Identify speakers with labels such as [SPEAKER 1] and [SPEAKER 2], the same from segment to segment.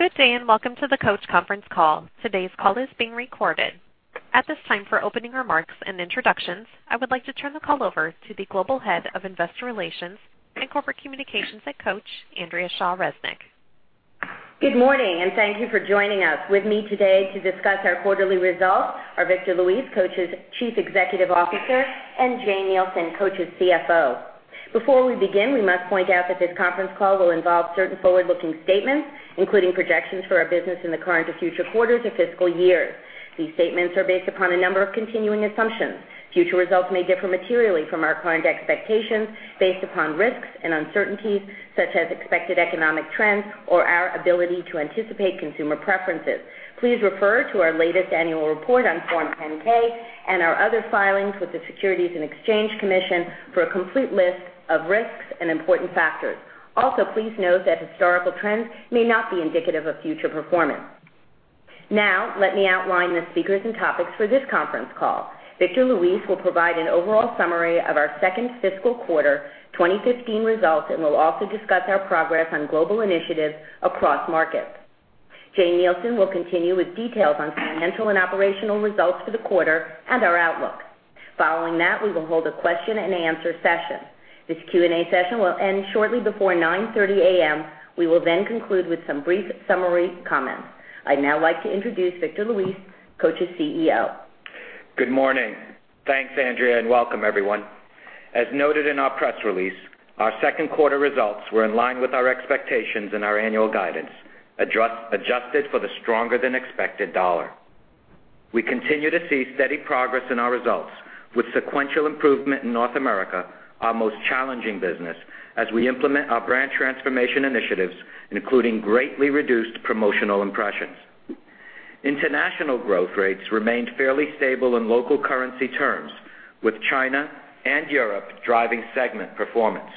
[SPEAKER 1] Good day, welcome to the Coach conference call. Today's call is being recorded. At this time, for opening remarks and introductions, I would like to turn the call over to the Global Head of Investor Relations and Corporate Communications at Coach, Andrea Shaw Resnick.
[SPEAKER 2] Good morning, thank you for joining us. With me today to discuss our quarterly results are Victor Luis, Coach's Chief Executive Officer, and Jane Nielsen, Coach's CFO. Before we begin, we must point out that this conference call will involve certain forward-looking statements, including projections for our business in the current or future quarters or fiscal years. These statements are based upon a number of continuing assumptions. Future results may differ materially from our current expectations based upon risks and uncertainties, such as expected economic trends or our ability to anticipate consumer preferences. Please refer to our latest annual report on Form 10-K and our other filings with the Securities and Exchange Commission for a complete list of risks and important factors. Also, please note that historical trends may not be indicative of future performance. Now, let me outline the speakers and topics for this conference call. Victor Luis will provide an overall summary of our second fiscal quarter 2015 results and will also discuss our progress on global initiatives across markets. Jane Nielsen will continue with details on financial and operational results for the quarter and our outlook. Following that, we will hold a question-and-answer session. This Q&A session will end shortly before 9:30 A.M. We will then conclude with some brief summary comments. I'd now like to introduce Victor Luis, Coach's CEO.
[SPEAKER 3] Good morning. Thanks, Andrea, welcome everyone. As noted in our press release, our second quarter results were in line with our expectations and our annual guidance, adjusted for the stronger-than-expected dollar. We continue to see steady progress in our results with sequential improvement in North America, our most challenging business, as we implement our brand transformation initiatives, including greatly reduced promotional impressions. International growth rates remained fairly stable in local currency terms, with China and Europe driving segment performance.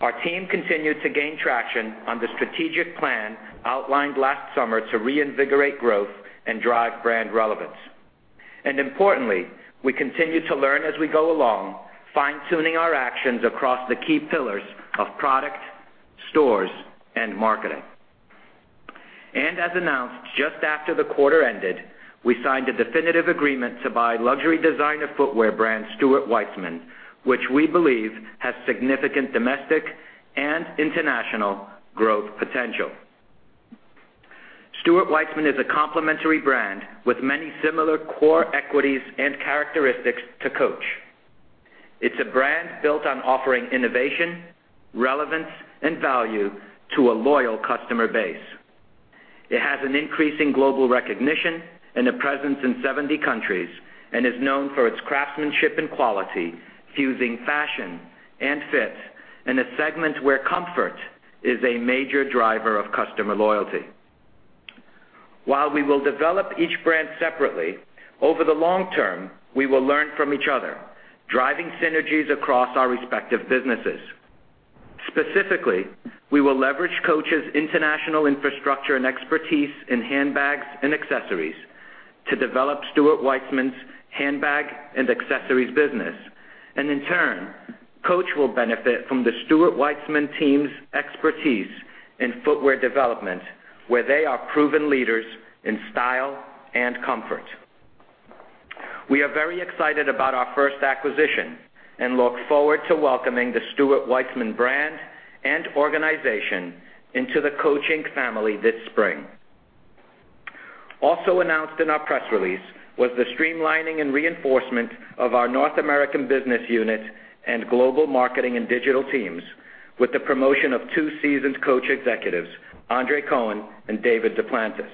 [SPEAKER 3] Our team continued to gain traction on the strategic plan outlined last summer to reinvigorate growth and drive brand relevance. Importantly, we continue to learn as we go along, fine-tuning our actions across the key pillars of product, stores, and marketing. As announced just after the quarter ended, we signed a definitive agreement to buy luxury designer footwear brand Stuart Weitzman, which we believe has significant domestic and international growth potential. Stuart Weitzman is a complementary brand with many similar core equities and characteristics to Coach. It's a brand built on offering innovation, relevance, and value to a loyal customer base. It has an increasing global recognition and a presence in 70 countries and is known for its craftsmanship and quality, fusing fashion and fit in a segment where comfort is a major driver of customer loyalty. While we will develop each brand separately, over the long term, we will learn from each other, driving synergies across our respective businesses. Specifically, we will leverage Coach's international infrastructure and expertise in handbags and accessories to develop Stuart Weitzman's handbag and accessories business. In turn, Coach will benefit from the Stuart Weitzman team's expertise in footwear development, where they are proven leaders in style and comfort. We are very excited about our first acquisition and look forward to welcoming the Stuart Weitzman brand and organization into the Coach, Inc. family this spring. Also announced in our press release was the streamlining and reinforcement of our North American business unit and global marketing and digital teams with the promotion of two seasoned Coach executives, Andre Cohen and David Duplantis.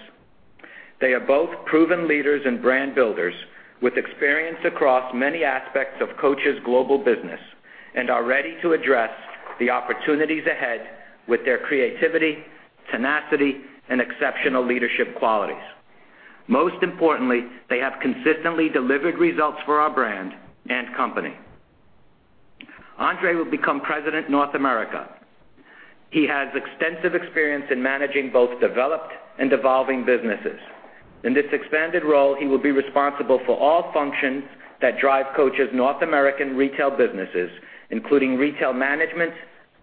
[SPEAKER 3] They are both proven leaders and brand builders with experience across many aspects of Coach's global business and are ready to address the opportunities ahead with their creativity, tenacity, and exceptional leadership qualities. Most importantly, they have consistently delivered results for our brand and company. Andre will become President, North America. He has extensive experience in managing both developed and evolving businesses. In this expanded role, he will be responsible for all functions that drive Coach's North American retail businesses, including retail management,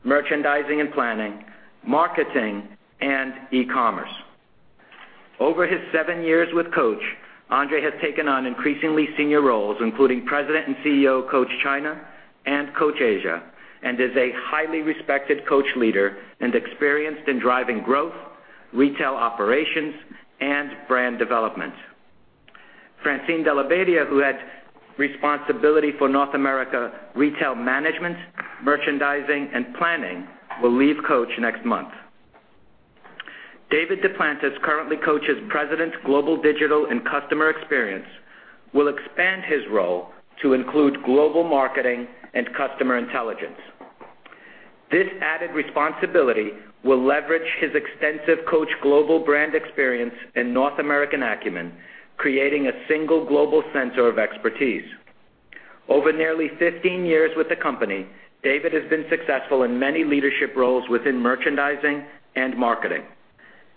[SPEAKER 3] merchandising and planning, marketing, and e-commerce. Over his seven years with Coach, Andre has taken on increasingly senior roles, including President and CEO of Coach China and Coach Asia, and is a highly respected Coach leader and experienced in driving growth, retail operations, and brand development. Francine Della Badia, who had responsibility for North America retail management, merchandising, and planning, will leave Coach next month. David Duplantis, currently Coach's President, Global Digital and Customer Experience, will expand his role to include global marketing and customer intelligence. This added responsibility will leverage his extensive Coach global brand experience and North American acumen, creating a single global center of expertise. Over nearly 15 years with the company, David has been successful in many leadership roles within merchandising and marketing.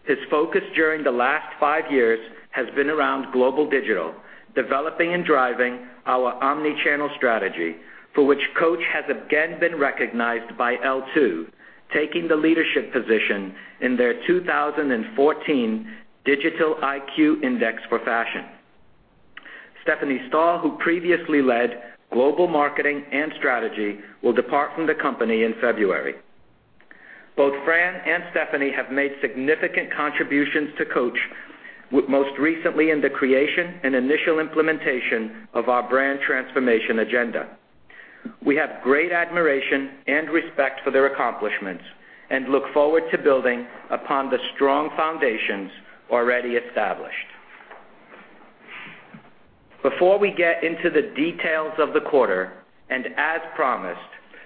[SPEAKER 3] His focus during the last five years has been around global digital, developing and driving our omni-channel strategy, for which Coach has again been recognized by L2, taking the leadership position in their 2014 Digital IQ Index for Fashion. Stephanie Stahl, who previously led global marketing and strategy, will depart from the company in February. Both Fran and Stephanie have made significant contributions to Coach, most recently in the creation and initial implementation of our brand transformation agenda. We have great admiration and respect for their accomplishments and look forward to building upon the strong foundations already established. Before we get into the details of the quarter, as promised,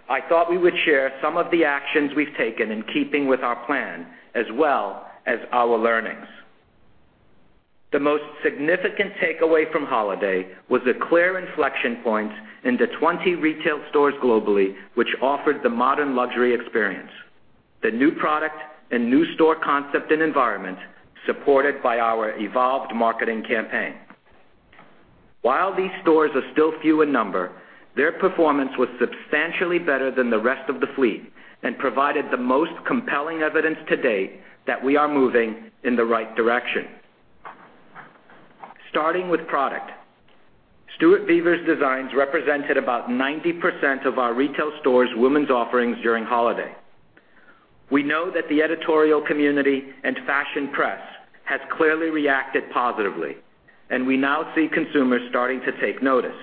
[SPEAKER 3] I thought we would share some of the actions we've taken in keeping with our plan, as well as our learnings. The most significant takeaway from holiday was the clear inflection points in the 20 retail stores globally which offered the modern luxury experience, the new product and new store concept and environment supported by our evolved marketing campaign. While these stores are still few in number, their performance was substantially better than the rest of the fleet and provided the most compelling evidence to date that we are moving in the right direction. Starting with product. Stuart Vevers' designs represented about 90% of our retail stores' women's offerings during holiday. We know that the editorial community and fashion press has clearly reacted positively, and we now see consumers starting to take notice.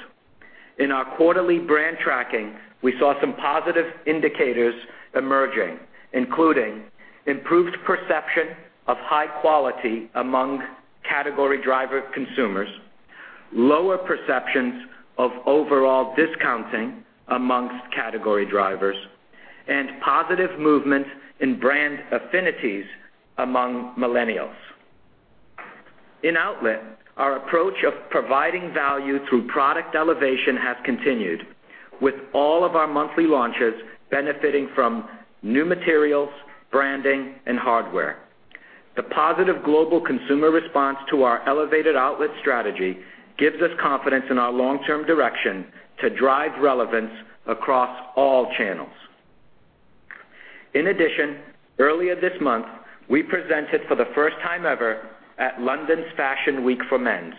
[SPEAKER 3] In our quarterly brand tracking, we saw some positive indicators emerging, including improved perception of high quality among category driver consumers, lower perceptions of overall discounting amongst category drivers, and positive movement in brand affinities among millennials. In outlet, our approach of providing value through product elevation has continued, with all of our monthly launches benefiting from new materials, branding, and hardware. The positive global consumer response to our elevated outlet strategy gives us confidence in our long-term direction to drive relevance across all channels. In addition, earlier this month, we presented for the first time ever at London's Fashion Week for Men's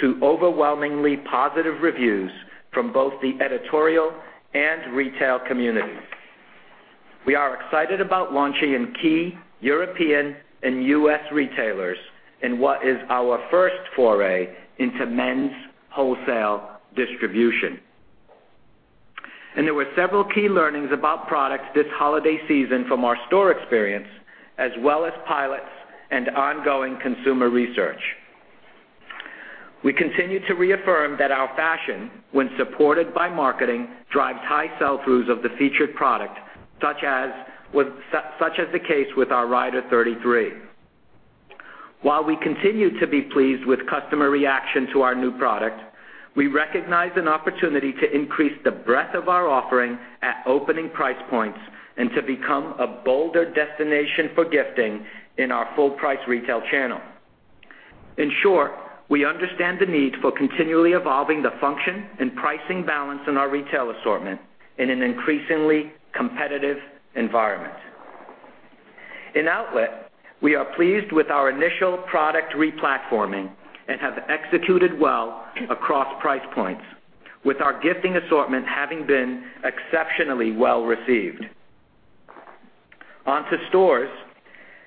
[SPEAKER 3] to overwhelmingly positive reviews from both the editorial and retail communities. We are excited about launching in key European and U.S. retailers in what is our first foray into men's wholesale distribution. There were several key learnings about products this holiday season from our store experience, as well as pilots and ongoing consumer research. We continue to reaffirm that our fashion, when supported by marketing, drives high sell-throughs of the featured product, such as the case with our Rhyder 33. While we continue to be pleased with customer reaction to our new product, we recognize an opportunity to increase the breadth of our offering at opening price points and to become a bolder destination for gifting in our full price retail channel. In short, we understand the need for continually evolving the function and pricing balance in our retail assortment in an increasingly competitive environment. In outlet, we are pleased with our initial product re-platforming and have executed well across price points, with our gifting assortment having been exceptionally well-received. On to stores.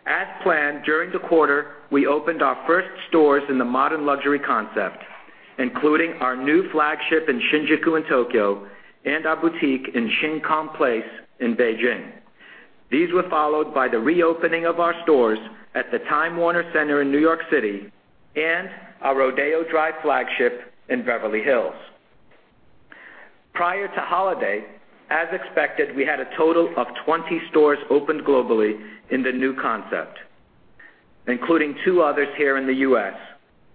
[SPEAKER 3] As planned, during the quarter, we opened our first stores in the modern luxury concept, including our new flagship in Shinjuku in Tokyo and our boutique in Shin Kong Place in Beijing. These were followed by the reopening of our stores at the Time Warner Center in New York City and our Rodeo Drive flagship in Beverly Hills. Prior to holiday, as expected, we had a total of 20 stores opened globally in the new concept, including two others here in the U.S.,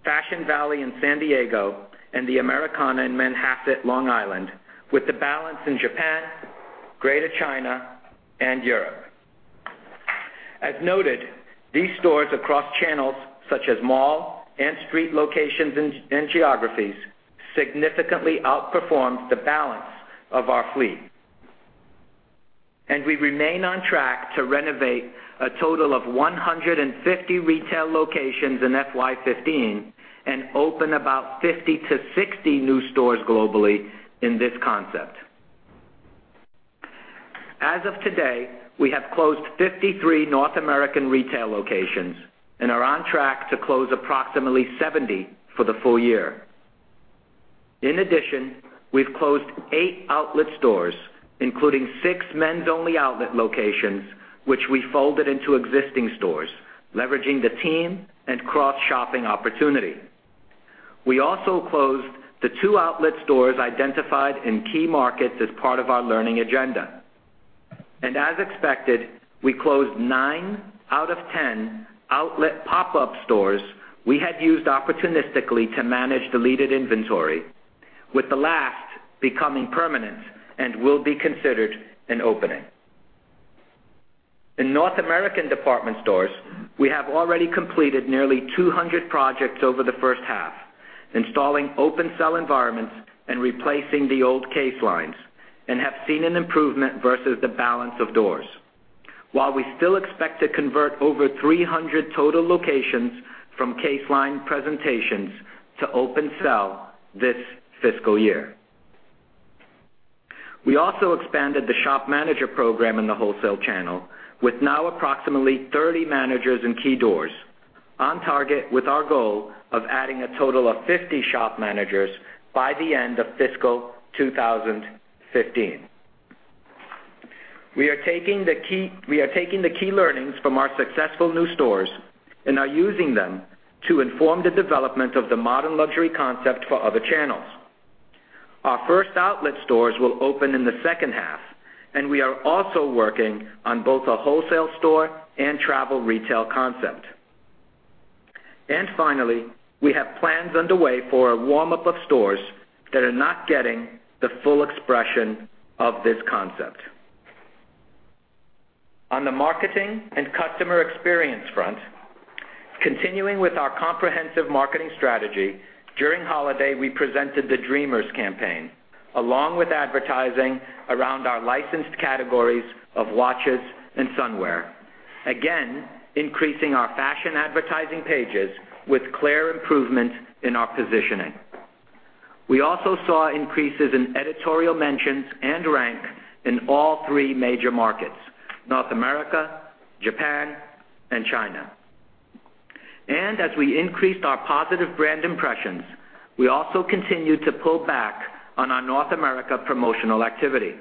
[SPEAKER 3] Fashion Valley in San Diego and the Americana in Manhasset, Long Island, with the balance in Japan, Greater China, and Europe. As noted, these stores across channels such as mall and street locations and geographies significantly outperformed the balance of our fleet. We remain on track to renovate a total of 150 retail locations in FY 2015 and open about 50-60 new stores globally in this concept. As of today, we have closed 53 North American retail locations and are on track to close approximately 70 for the full year. In addition, we've closed eight outlet stores, including six men's only outlet locations, which we folded into existing stores, leveraging the team and cross-shopping opportunity. We also closed the two outlet stores identified in key markets as part of our learning agenda. As expected, we closed 9 out of 10 outlet pop-up stores we had used opportunistically to manage deleted inventory, with the last becoming permanent and will be considered an opening. In North American department stores, we have already completed nearly 200 projects over the first half, installing open sell environments and replacing the old case lines, and have seen an improvement versus the balance of doors. While we still expect to convert over 300 total locations from case line presentations to open sell this fiscal year. We also expanded the shop manager program in the wholesale channel with now approximately 30 managers in key doors, on target with our goal of adding a total of 50 shop managers by the end of fiscal 2015. We are taking the key learnings from our successful new stores and are using them to inform the development of the modern luxury concept for other channels. Our first outlet stores will open in the second half, and we are also working on both a wholesale store and travel retail concept. Finally, we have plans underway for a warm-up of stores that are not getting the full expression of this concept. On the marketing and customer experience front, continuing with our comprehensive marketing strategy, during holiday, we presented the Dreamers campaign, along with advertising around our licensed categories of watches and sunwear, again, increasing our fashion advertising pages with clear improvement in our positioning. We also saw increases in editorial mentions and rank in all three major markets, North America, Japan, and China. As we increased our positive brand impressions, we also continued to pull back on our North America promotional activity.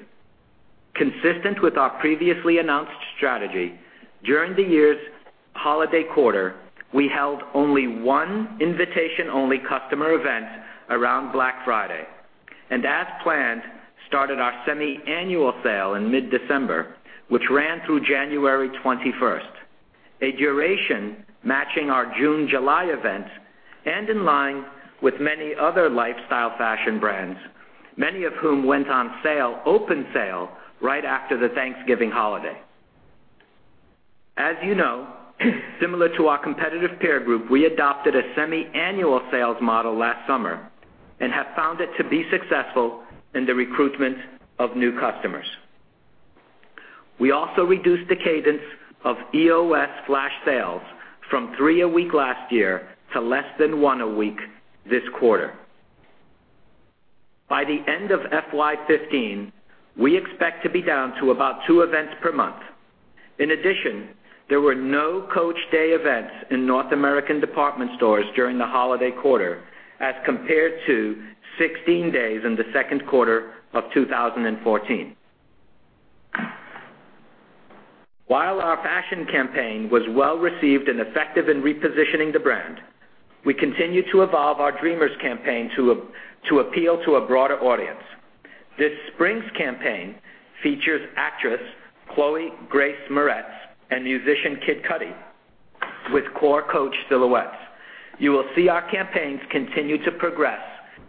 [SPEAKER 3] Consistent with our previously announced strategy, during the year's holiday quarter, we held only one invitation-only customer event around Black Friday. As planned, started our semiannual sale in mid-December, which ran through January 21st, a duration matching our June-July events and in line with many other lifestyle fashion brands, many of whom went on open sale right after the Thanksgiving holiday. As you know, similar to our competitive peer group, we adopted a semiannual sales model last summer and have found it to be successful in the recruitment of new customers. We also reduced the cadence of EOS flash sales from three a week last year to less than one a week this quarter. By the end of FY 2015, we expect to be down to about two events per month. In addition, there were no Coach Day events in North American department stores during the holiday quarter as compared to 16 days in the second quarter of 2014. While our fashion campaign was well-received and effective in repositioning the brand, we continued to evolve our Dreamers campaign to appeal to a broader audience. This spring's campaign features actress Chloë Grace Moretz and musician Kid Cudi with core Coach silhouettes. You will see our campaigns continue to progress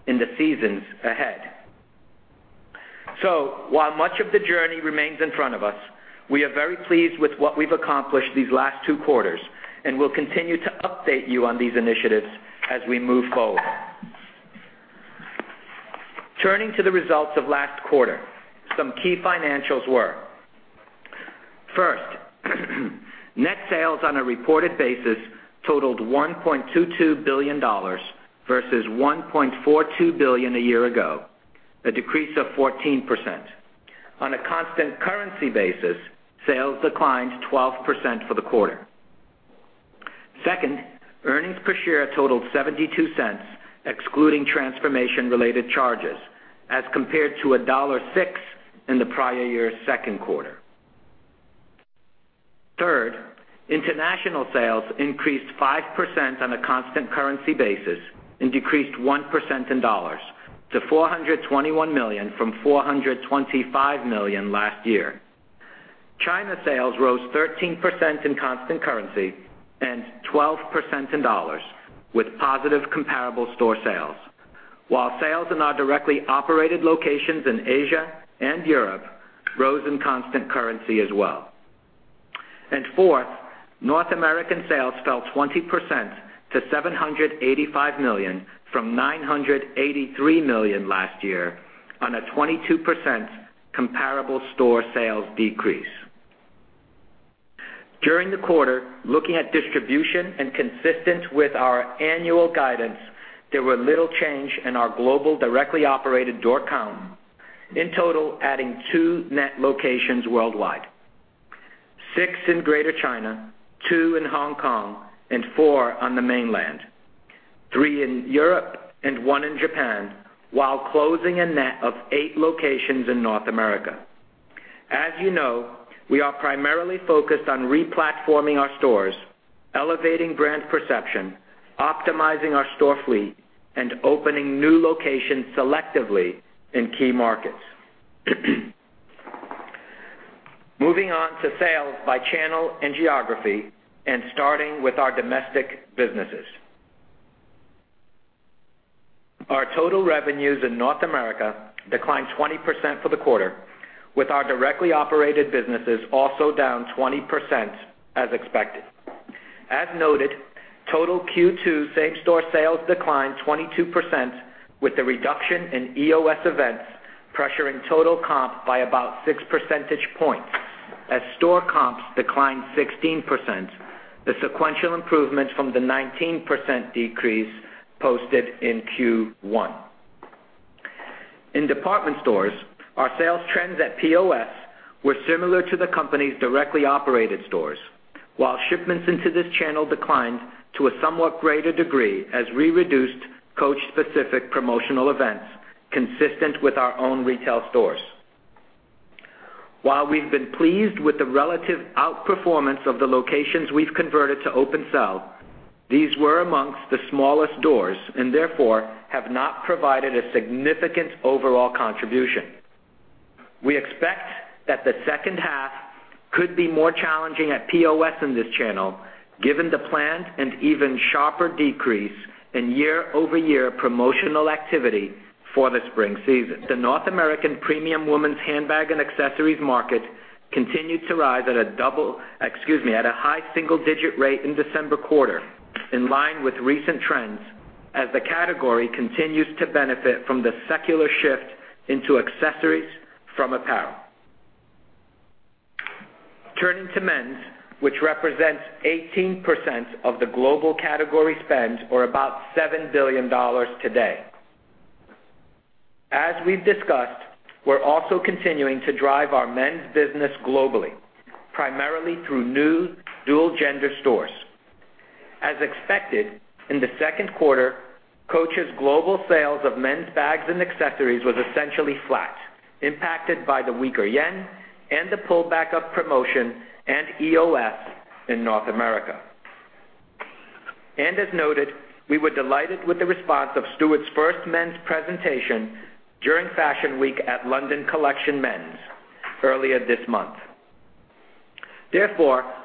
[SPEAKER 3] in the seasons ahead. While much of the journey remains in front of us, we are very pleased with what we've accomplished these last two quarters, and we'll continue to update you on these initiatives as we move forward. Turning to the results of last quarter, some key financials were: First, net sales on a reported basis totaled $1.22 billion versus $1.42 billion a year ago, a decrease of 14%. On a constant currency basis, sales declined 12% for the quarter. Second, earnings per share totaled $0.72, excluding transformation-related charges, as compared to $1.06 in the prior year's second quarter. Third, international sales increased 5% on a constant currency basis and decreased 1% in dollars to $421 million from $425 million last year. China sales rose 13% in constant currency and 12% in dollars with positive comparable store sales. While sales in our directly operated locations in Asia and Europe rose in constant currency as well. Fourth, North American sales fell 20% to $785 million from $983 million last year on a 22% comparable store sales decrease. During the quarter, looking at distribution and consistent with our annual guidance, there were little change in our global directly operated door count, in total adding two net locations worldwide, six in Greater China, two in Hong Kong and four on the mainland, three in Europe and one in Japan, while closing a net of eight locations in North America. As you know, we are primarily focused on re-platforming our stores, elevating brand perception, optimizing our store fleet, and opening new locations selectively in key markets. Moving on to sales by channel and geography and starting with our domestic businesses. Our total revenues in North America declined 20% for the quarter, with our directly operated businesses also down 20% as expected. As noted, total Q2 same-store sales declined 22% with the reduction in EOS events pressuring total comp by about six percentage points. As store comps declined 16%, the sequential improvements from the 19% decrease posted in Q1. In department stores, our sales trends at POS were similar to the company's directly operated stores, while shipments into this channel declined to a somewhat greater degree as we reduced Coach-specific promotional events consistent with our own retail stores. While we've been pleased with the relative outperformance of the locations we've converted to open sell, these were amongst the smallest stores and therefore have not provided a significant overall contribution. We expect that the second half could be more challenging at POS in this channel given the planned and even sharper decrease in year-over-year promotional activity for the spring season. The North American premium women's handbag and accessories market continued to rise at a high single-digit rate in December quarter, in line with recent trends, as the category continues to benefit from the secular shift into accessories from apparel. Turning to men's, which represents 18% of the global category spend or about $7 billion today. As we've discussed, we're also continuing to drive our men's business globally, primarily through new dual-gender stores. As expected, in the second quarter, Coach's global sales of men's bags and accessories was essentially flat, impacted by the weaker yen and the pullback of promotion and EOS in North America. As noted, we were delighted with the response of Stuart Vevers' first men's presentation during Fashion Week at London Collections: Men earlier this month.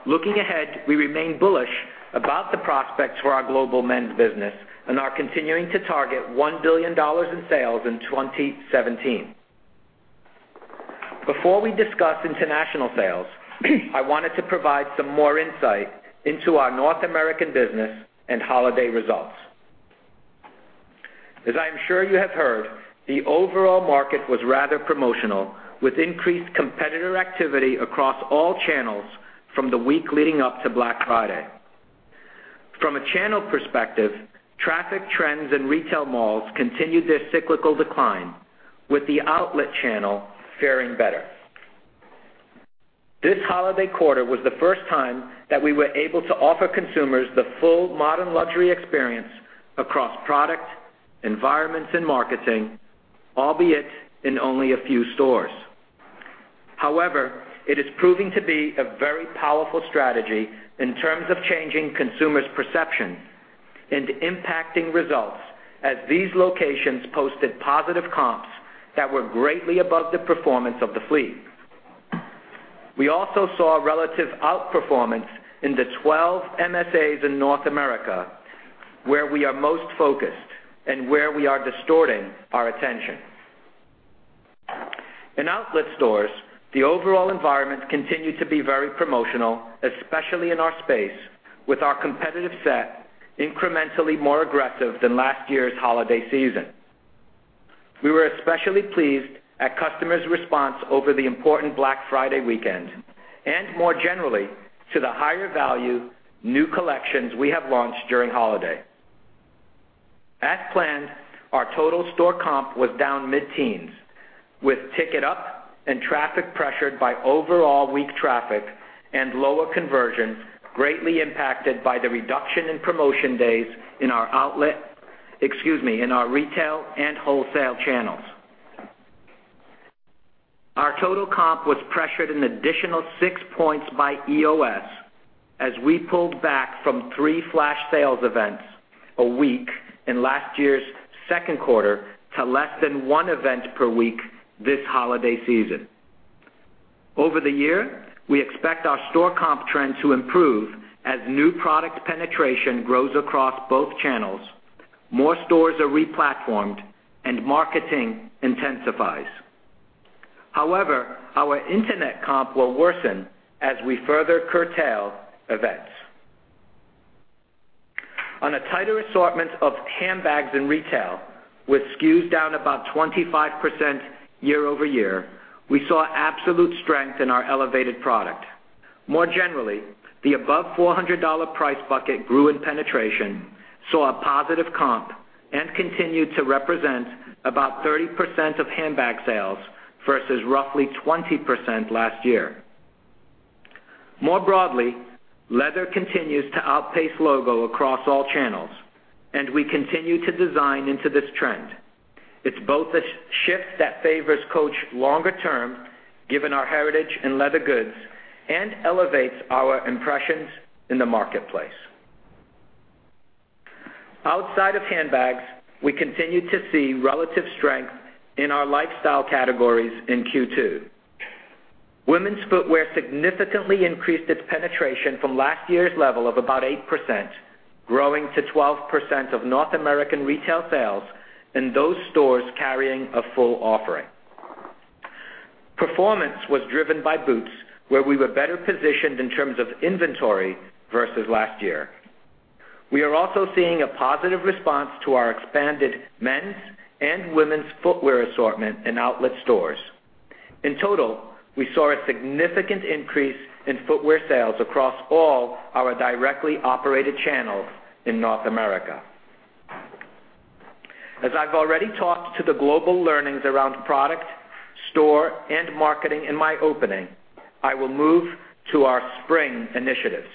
[SPEAKER 3] Looking ahead, we remain bullish about the prospects for our global men's business and are continuing to target $1 billion in sales in 2017. Before we discuss international sales, I wanted to provide some more insight into our North American business and holiday results. As I am sure you have heard, the overall market was rather promotional, with increased competitor activity across all channels from the week leading up to Black Friday. From a channel perspective, traffic trends in retail malls continued their cyclical decline, with the outlet channel faring better. This holiday quarter was the first time that we were able to offer consumers the full modern luxury experience across product, environments, and marketing, albeit in only a few stores. It is proving to be a very powerful strategy in terms of changing consumers' perception and impacting results as these locations posted positive comps that were greatly above the performance of the fleet. We also saw relative outperformance in the 12 MSAs in North America, where we are most focused and where we are distorting our attention. In outlet stores, the overall environment continued to be very promotional, especially in our space, with our competitive set incrementally more aggressive than last year's holiday season. We were especially pleased at customers' response over the important Black Friday weekend and more generally to the higher value new collections we have launched during holiday. As planned, our total store comp was down mid-teens, with ticket up and traffic pressured by overall weak traffic and lower conversions greatly impacted by the reduction in promotion days in our retail and wholesale channels. Our total comp was pressured an additional six points by EOS as we pulled back from three flash sales events a week in last year's second quarter to less than one event per week this holiday season. Over the year, we expect our store comp trend to improve as new product penetration grows across both channels, more stores are replatformed, and marketing intensifies. Our internet comp will worsen as we further curtail events. On a tighter assortment of handbags in retail, with SKUs down about 25% year-over-year, we saw absolute strength in our elevated product. More generally, the above $400 price bucket grew in penetration, saw a positive comp, and continued to represent about 30% of handbag sales versus roughly 20% last year. More broadly, leather continues to outpace logo across all channels, and we continue to design into this trend. It's both a shift that favors Coach longer term, given our heritage in leather goods, and elevates our impressions in the marketplace. Outside of handbags, we continued to see relative strength in our lifestyle categories in Q2. Women's footwear significantly increased its penetration from last year's level of about 8%, growing to 12% of North American retail sales in those stores carrying a full offering. Performance was driven by boots, where we were better positioned in terms of inventory versus last year. We are also seeing a positive response to our expanded men's and women's footwear assortment in outlet stores. In total, we saw a significant increase in footwear sales across all our directly operated channels in North America. As I've already talked to the global learnings around product, store, and marketing in my opening, I will move to our spring initiatives.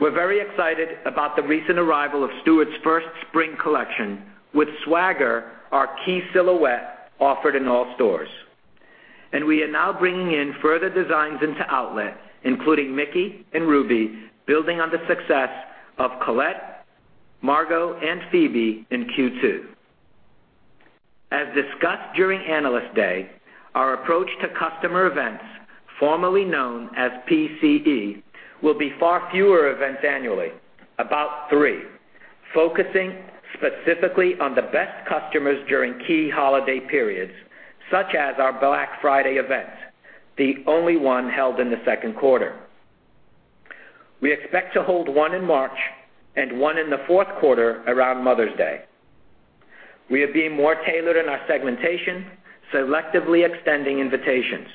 [SPEAKER 3] We're very excited about the recent arrival of Stuart's first spring collection with Swagger, our key silhouette offered in all stores. We are now bringing in further designs into outlet, including Mickey and Ruby, building on the success of Colette, Margot, and Phoebe in Q2. As discussed during Analyst Day, our approach to customer events, formerly known as PCE, will be far fewer events annually, about three, focusing specifically on the best customers during key holiday periods, such as our Black Friday event, the only one held in the second quarter. We expect to hold one in March and one in the fourth quarter around Mother's Day. We are being more tailored in our segmentation, selectively extending invitations.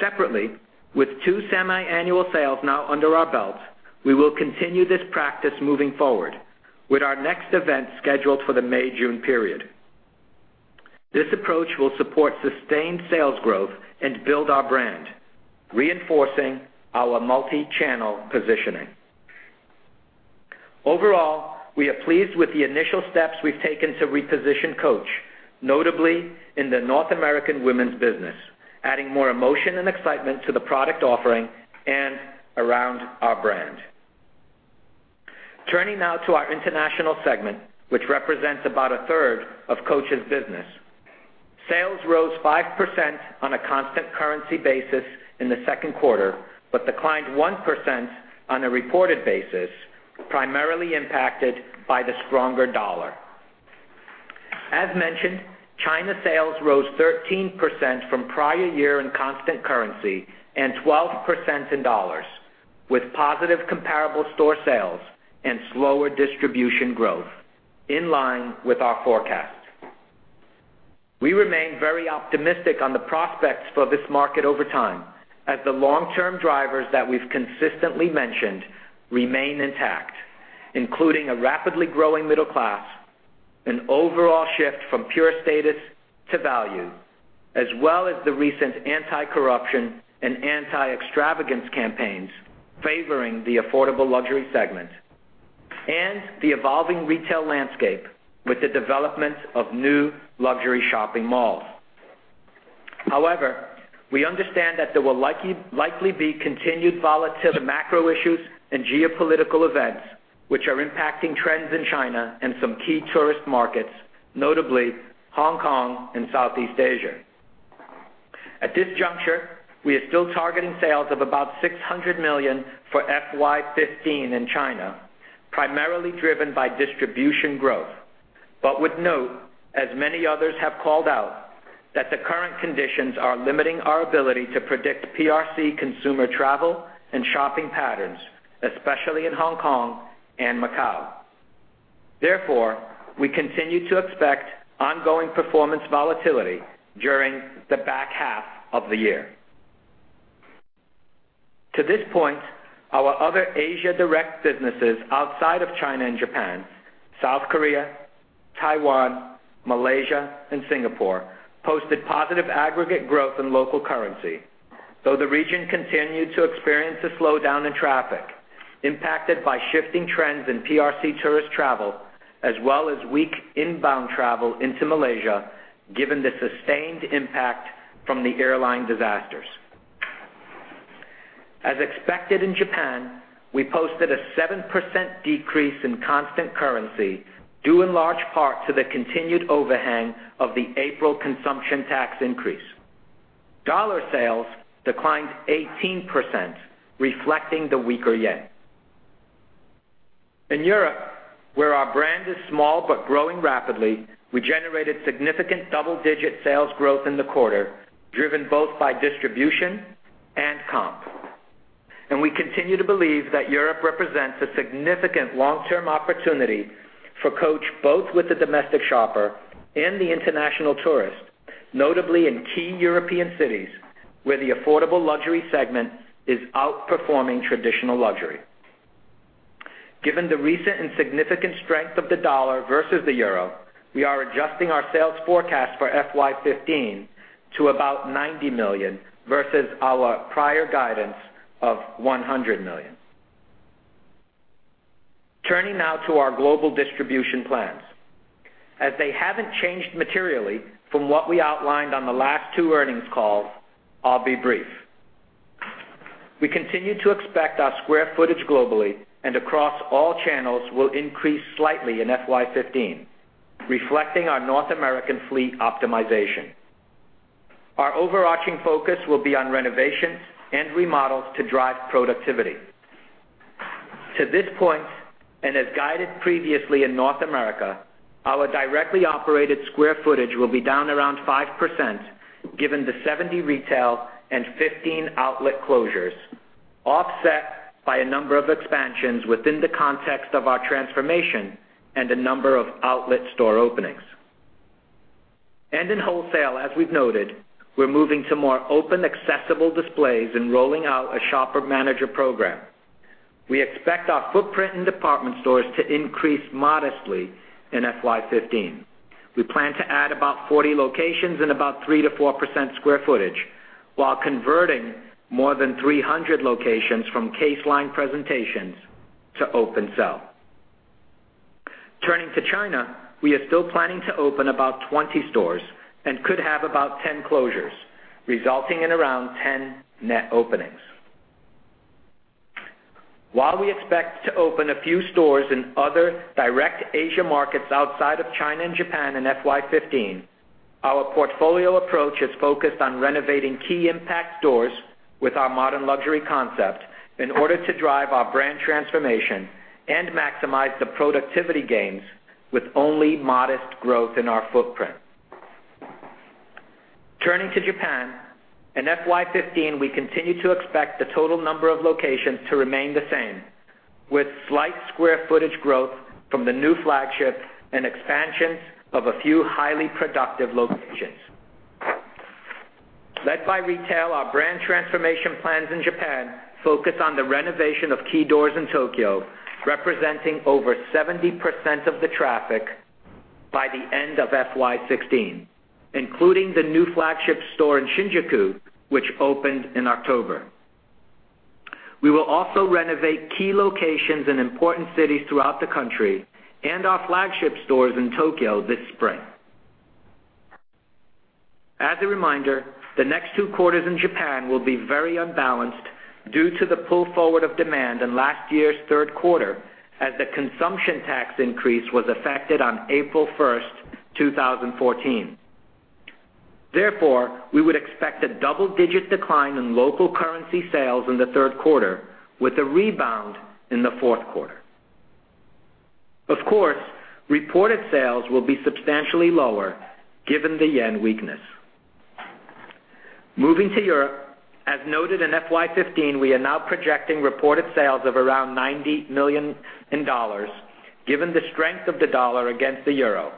[SPEAKER 3] Separately, with two semi-annual sales now under our belt, we will continue this practice moving forward with our next event scheduled for the May-June period. This approach will support sustained sales growth and build our brand, reinforcing our multi-channel positioning. Overall, we are pleased with the initial steps we've taken to reposition Coach, notably in the North American women's business, adding more emotion and excitement to the product offering and around our brand. Turning now to our international segment, which represents about a third of Coach's business. Sales rose 5% on a constant currency basis in the second quarter, but declined 1% on a reported basis, primarily impacted by the stronger dollar. As mentioned, China sales rose 13% from prior year in constant currency and 12% in dollars, with positive comparable store sales and slower distribution growth in line with our forecast. We remain very optimistic on the prospects for this market over time as the long-term drivers that we've consistently mentioned remain intact, including a rapidly growing middle class, an overall shift from pure status to value, as well as the recent anti-corruption and anti-extravagance campaigns favoring the affordable luxury segment, and the evolving retail landscape with the development of new luxury shopping malls. We understand that there will likely be continued volatility in macro issues and geopolitical events, which are impacting trends in China and some key tourist markets, notably Hong Kong and Southeast Asia. At this juncture, we are still targeting sales of about $600 million for FY 2015 in China, primarily driven by distribution growth. Would note, as many others have called out, that the current conditions are limiting our ability to predict PRC consumer travel and shopping patterns, especially in Hong Kong and Macau. We continue to expect ongoing performance volatility during the back half of the year. To this point, our other Asia direct businesses outside of China and Japan, South Korea, Taiwan, Malaysia, and Singapore, posted positive aggregate growth in local currency. The region continued to experience a slowdown in traffic impacted by shifting trends in PRC tourist travel as well as weak inbound travel into Malaysia, given the sustained impact from the airline disasters. As expected in Japan, we posted a 7% decrease in constant currency due in large part to the continued overhang of the April consumption tax increase. Dollar sales declined 18%, reflecting the weaker JPY. In Europe, where our brand is small but growing rapidly, we generated significant double-digit sales growth in the quarter, driven both by distribution and comp. We continue to believe that Europe represents a significant long-term opportunity for Coach, both with the domestic shopper and the international tourist, notably in key European cities where the affordable luxury segment is outperforming traditional luxury. Given the recent and significant strength of the dollar versus the euro, we are adjusting our sales forecast for FY 2015 to about $90 million versus our prior guidance of $100 million. Turning now to our global distribution plans. As they haven't changed materially from what we outlined on the last two earnings calls, I'll be brief. We continue to expect our square footage globally and across all channels will increase slightly in FY 2015, reflecting our North American fleet optimization. Our overarching focus will be on renovations and remodels to drive productivity. To this point, as guided previously in North America, our directly operated square footage will be down around 5% given the 70 retail and 15 outlet closures, offset by a number of expansions within the context of our transformation and a number of outlet store openings. In wholesale, as we've noted, we're moving to more open, accessible displays and rolling out a shopper manager program. We expect our footprint in department stores to increase modestly in FY 2015. We plan to add about 40 locations and about 3%-4% square footage while converting more than 300 locations from case line presentations to open sell. Turning to China, we are still planning to open about 20 stores and could have about 10 closures, resulting in around 10 net openings. While we expect to open a few stores in other direct Asia markets outside of China and Japan in FY 2015, our portfolio approach is focused on renovating key impact stores with our modern luxury concept in order to drive our brand transformation and maximize the productivity gains with only modest growth in our footprint. Turning to Japan, in FY 2015, we continue to expect the total number of locations to remain the same, with slight square footage growth from the new flagship and expansions of a few highly productive locations. Led by retail, our brand transformation plans in Japan focus on the renovation of key doors in Tokyo, representing over 70% of the traffic by the end of FY 2016, including the new flagship store in Shinjuku, which opened in October. We will also renovate key locations in important cities throughout the country and our flagship stores in Tokyo this spring. As a reminder, the next two quarters in Japan will be very unbalanced due to the pull forward of demand in last year's third quarter as the consumption tax increase was affected on April 1, 2014. Therefore, we would expect a double-digit decline in local currency sales in the third quarter with a rebound in the fourth quarter. Of course, reported sales will be substantially lower given the yen weakness. Moving to Europe, as noted in FY 2015, we are now projecting reported sales of around $90 million given the strength of the dollar against the euro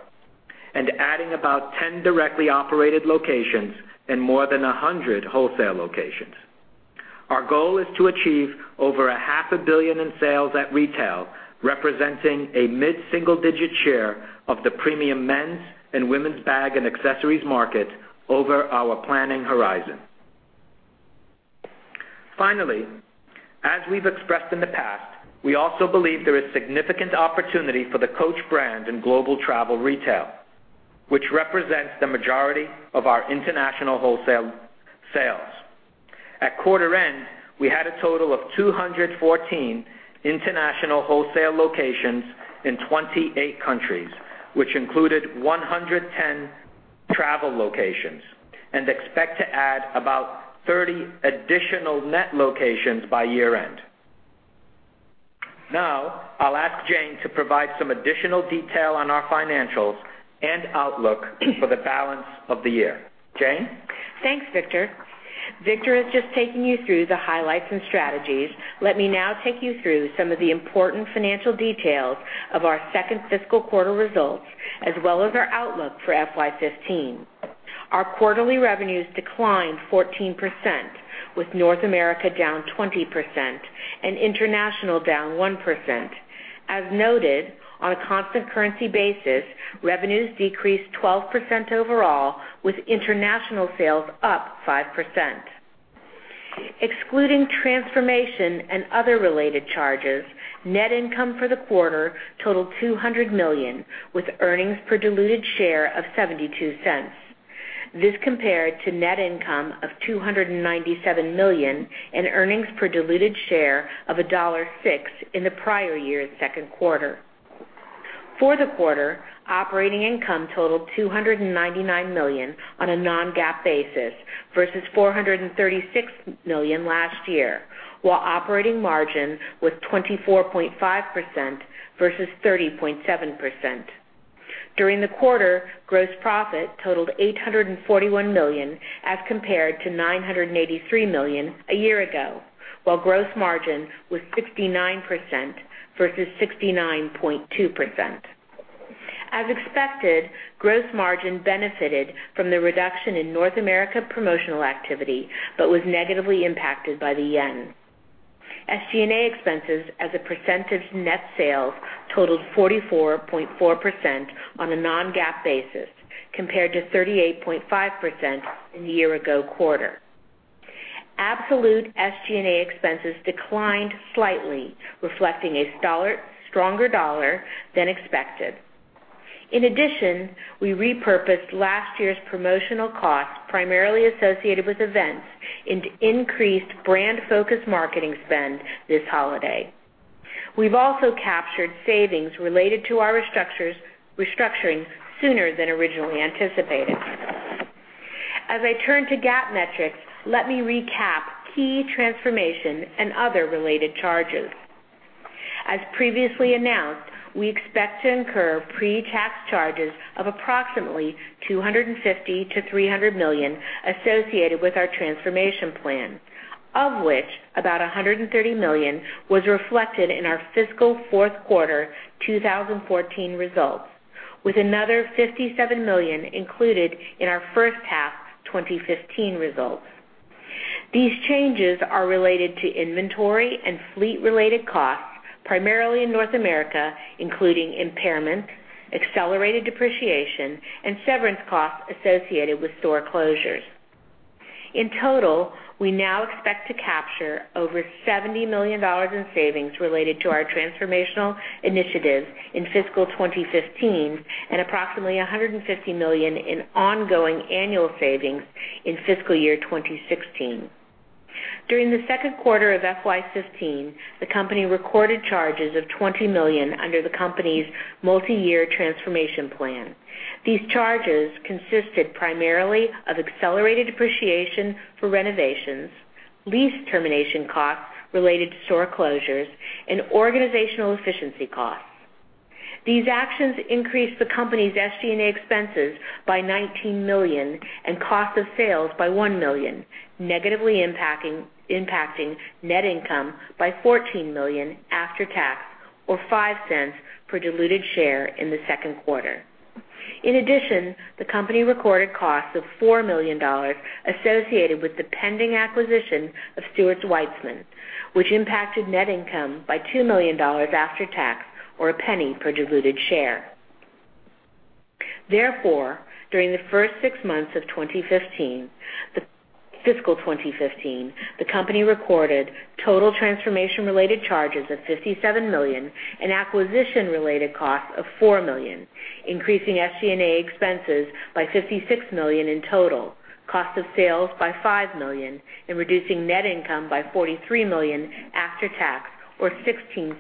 [SPEAKER 3] and adding about 10 directly operated locations and more than 100 wholesale locations. Our goal is to achieve over a half a billion in sales at retail, representing a mid-single digit share of the premium men's and women's bag and accessories market over our planning horizon. Finally, as we've expressed in the past, we also believe there is significant opportunity for the Coach brand in global travel retail, which represents the majority of our international wholesale sales. At quarter end, we had a total of 214 international wholesale locations in 28 countries, which included 110 travel locations, and expect to add about 30 additional net locations by year-end. I'll ask Jane to provide some additional detail on our financials and outlook for the balance of the year. Jane?
[SPEAKER 4] Thanks, Victor. Victor has just taken you through the highlights and strategies. Let me now take you through some of the important financial details of our second fiscal quarter results, as well as our outlook for FY 2015. Our quarterly revenues declined 14%, with North America down 20% and international down one percent. As noted, on a constant currency basis, revenues decreased 12% overall, with international sales up 5%. Excluding transformation and other related charges, net income for the quarter totaled $200 million, with earnings per diluted share of $0.72. This compared to net income of $297 million and earnings per diluted share of $1.06 in the prior year's second quarter. For the quarter, operating income totaled $299 million on a non-GAAP basis versus $436 million last year, while operating margin was 24.5% versus 30.7%. During the quarter, gross profit totaled $841 million as compared to $983 million a year ago, while gross margin was 69% versus 69.2%. As expected, gross margin benefited from the reduction in North America promotional activity but was negatively impacted by the yen. SG&A expenses as a % of net sales totaled 44.4% on a non-GAAP basis, compared to 38.5% in the year-ago quarter. Absolute SG&A expenses declined slightly, reflecting a stronger dollar than expected. In addition, we repurposed last year's promotional costs, primarily associated with events, into increased brand-focused marketing spend this holiday. We've also captured savings related to our restructuring sooner than originally anticipated. As I turn to GAAP metrics, let me recap key transformation and other related charges. As previously announced, we expect to incur pre-tax charges of approximately $250 million-$300 million associated with our transformation plan, of which about $130 million was reflected in our fiscal fourth quarter 2014 results, with another $57 million included in our first half 2015 results. These changes are related to inventory and fleet-related costs, primarily in North America, including impairments, accelerated depreciation, and severance costs associated with store closures. In total, we now expect to capture over $70 million in savings related to our transformational initiatives in fiscal 2015 and approximately $150 million in ongoing annual savings in fiscal year 2016. During the second quarter of FY 2015, the company recorded charges of $20 million under the company's multi-year transformation plan. These charges consisted primarily of accelerated depreciation for renovations, lease termination costs related to store closures, and organizational efficiency costs. These actions increased the company's SG&A expenses by $19 million and cost of sales by $1 million, negatively impacting net income by $14 million after tax, or $0.05 per diluted share in the second quarter. In addition, the company recorded costs of $4 million associated with the pending acquisition of Stuart Weitzman, which impacted net income by $2 million after tax, or $0.01 per diluted share. Therefore, during the first six months of fiscal 2015, the company recorded total transformation-related charges of $57 million and acquisition-related costs of $4 million, increasing SG&A expenses by $56 million in total, cost of sales by $5 million, and reducing net income by $43 million after tax, or $0.16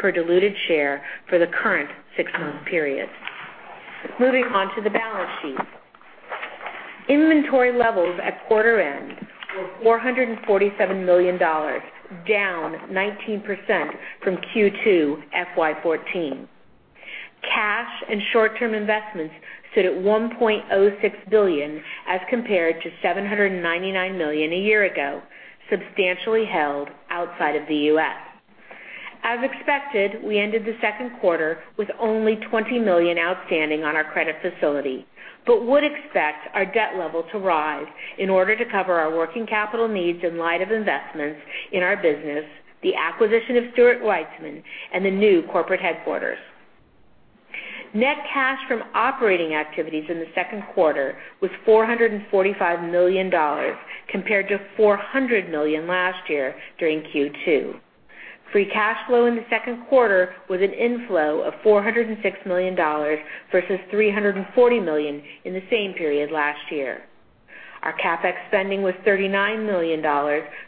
[SPEAKER 4] per diluted share for the current six-month period. Moving on to the balance sheet. Inventory levels at quarter end were $447 million, down 19% from Q2 FY 2014. Cash and short-term investments sit at $1.06 billion as compared to $799 million a year ago, substantially held outside of the U.S. As expected, we ended the second quarter with only $20 million outstanding on our credit facility but would expect our debt level to rise in order to cover our working capital needs in light of investments in our business, the acquisition of Stuart Weitzman, and the new corporate headquarters. Net cash from operating activities in the second quarter was $445 million, compared to $400 million last year during Q2. Free cash flow in the second quarter was an inflow of $406 million versus $340 million in the same period last year. Our CapEx spending was $39 million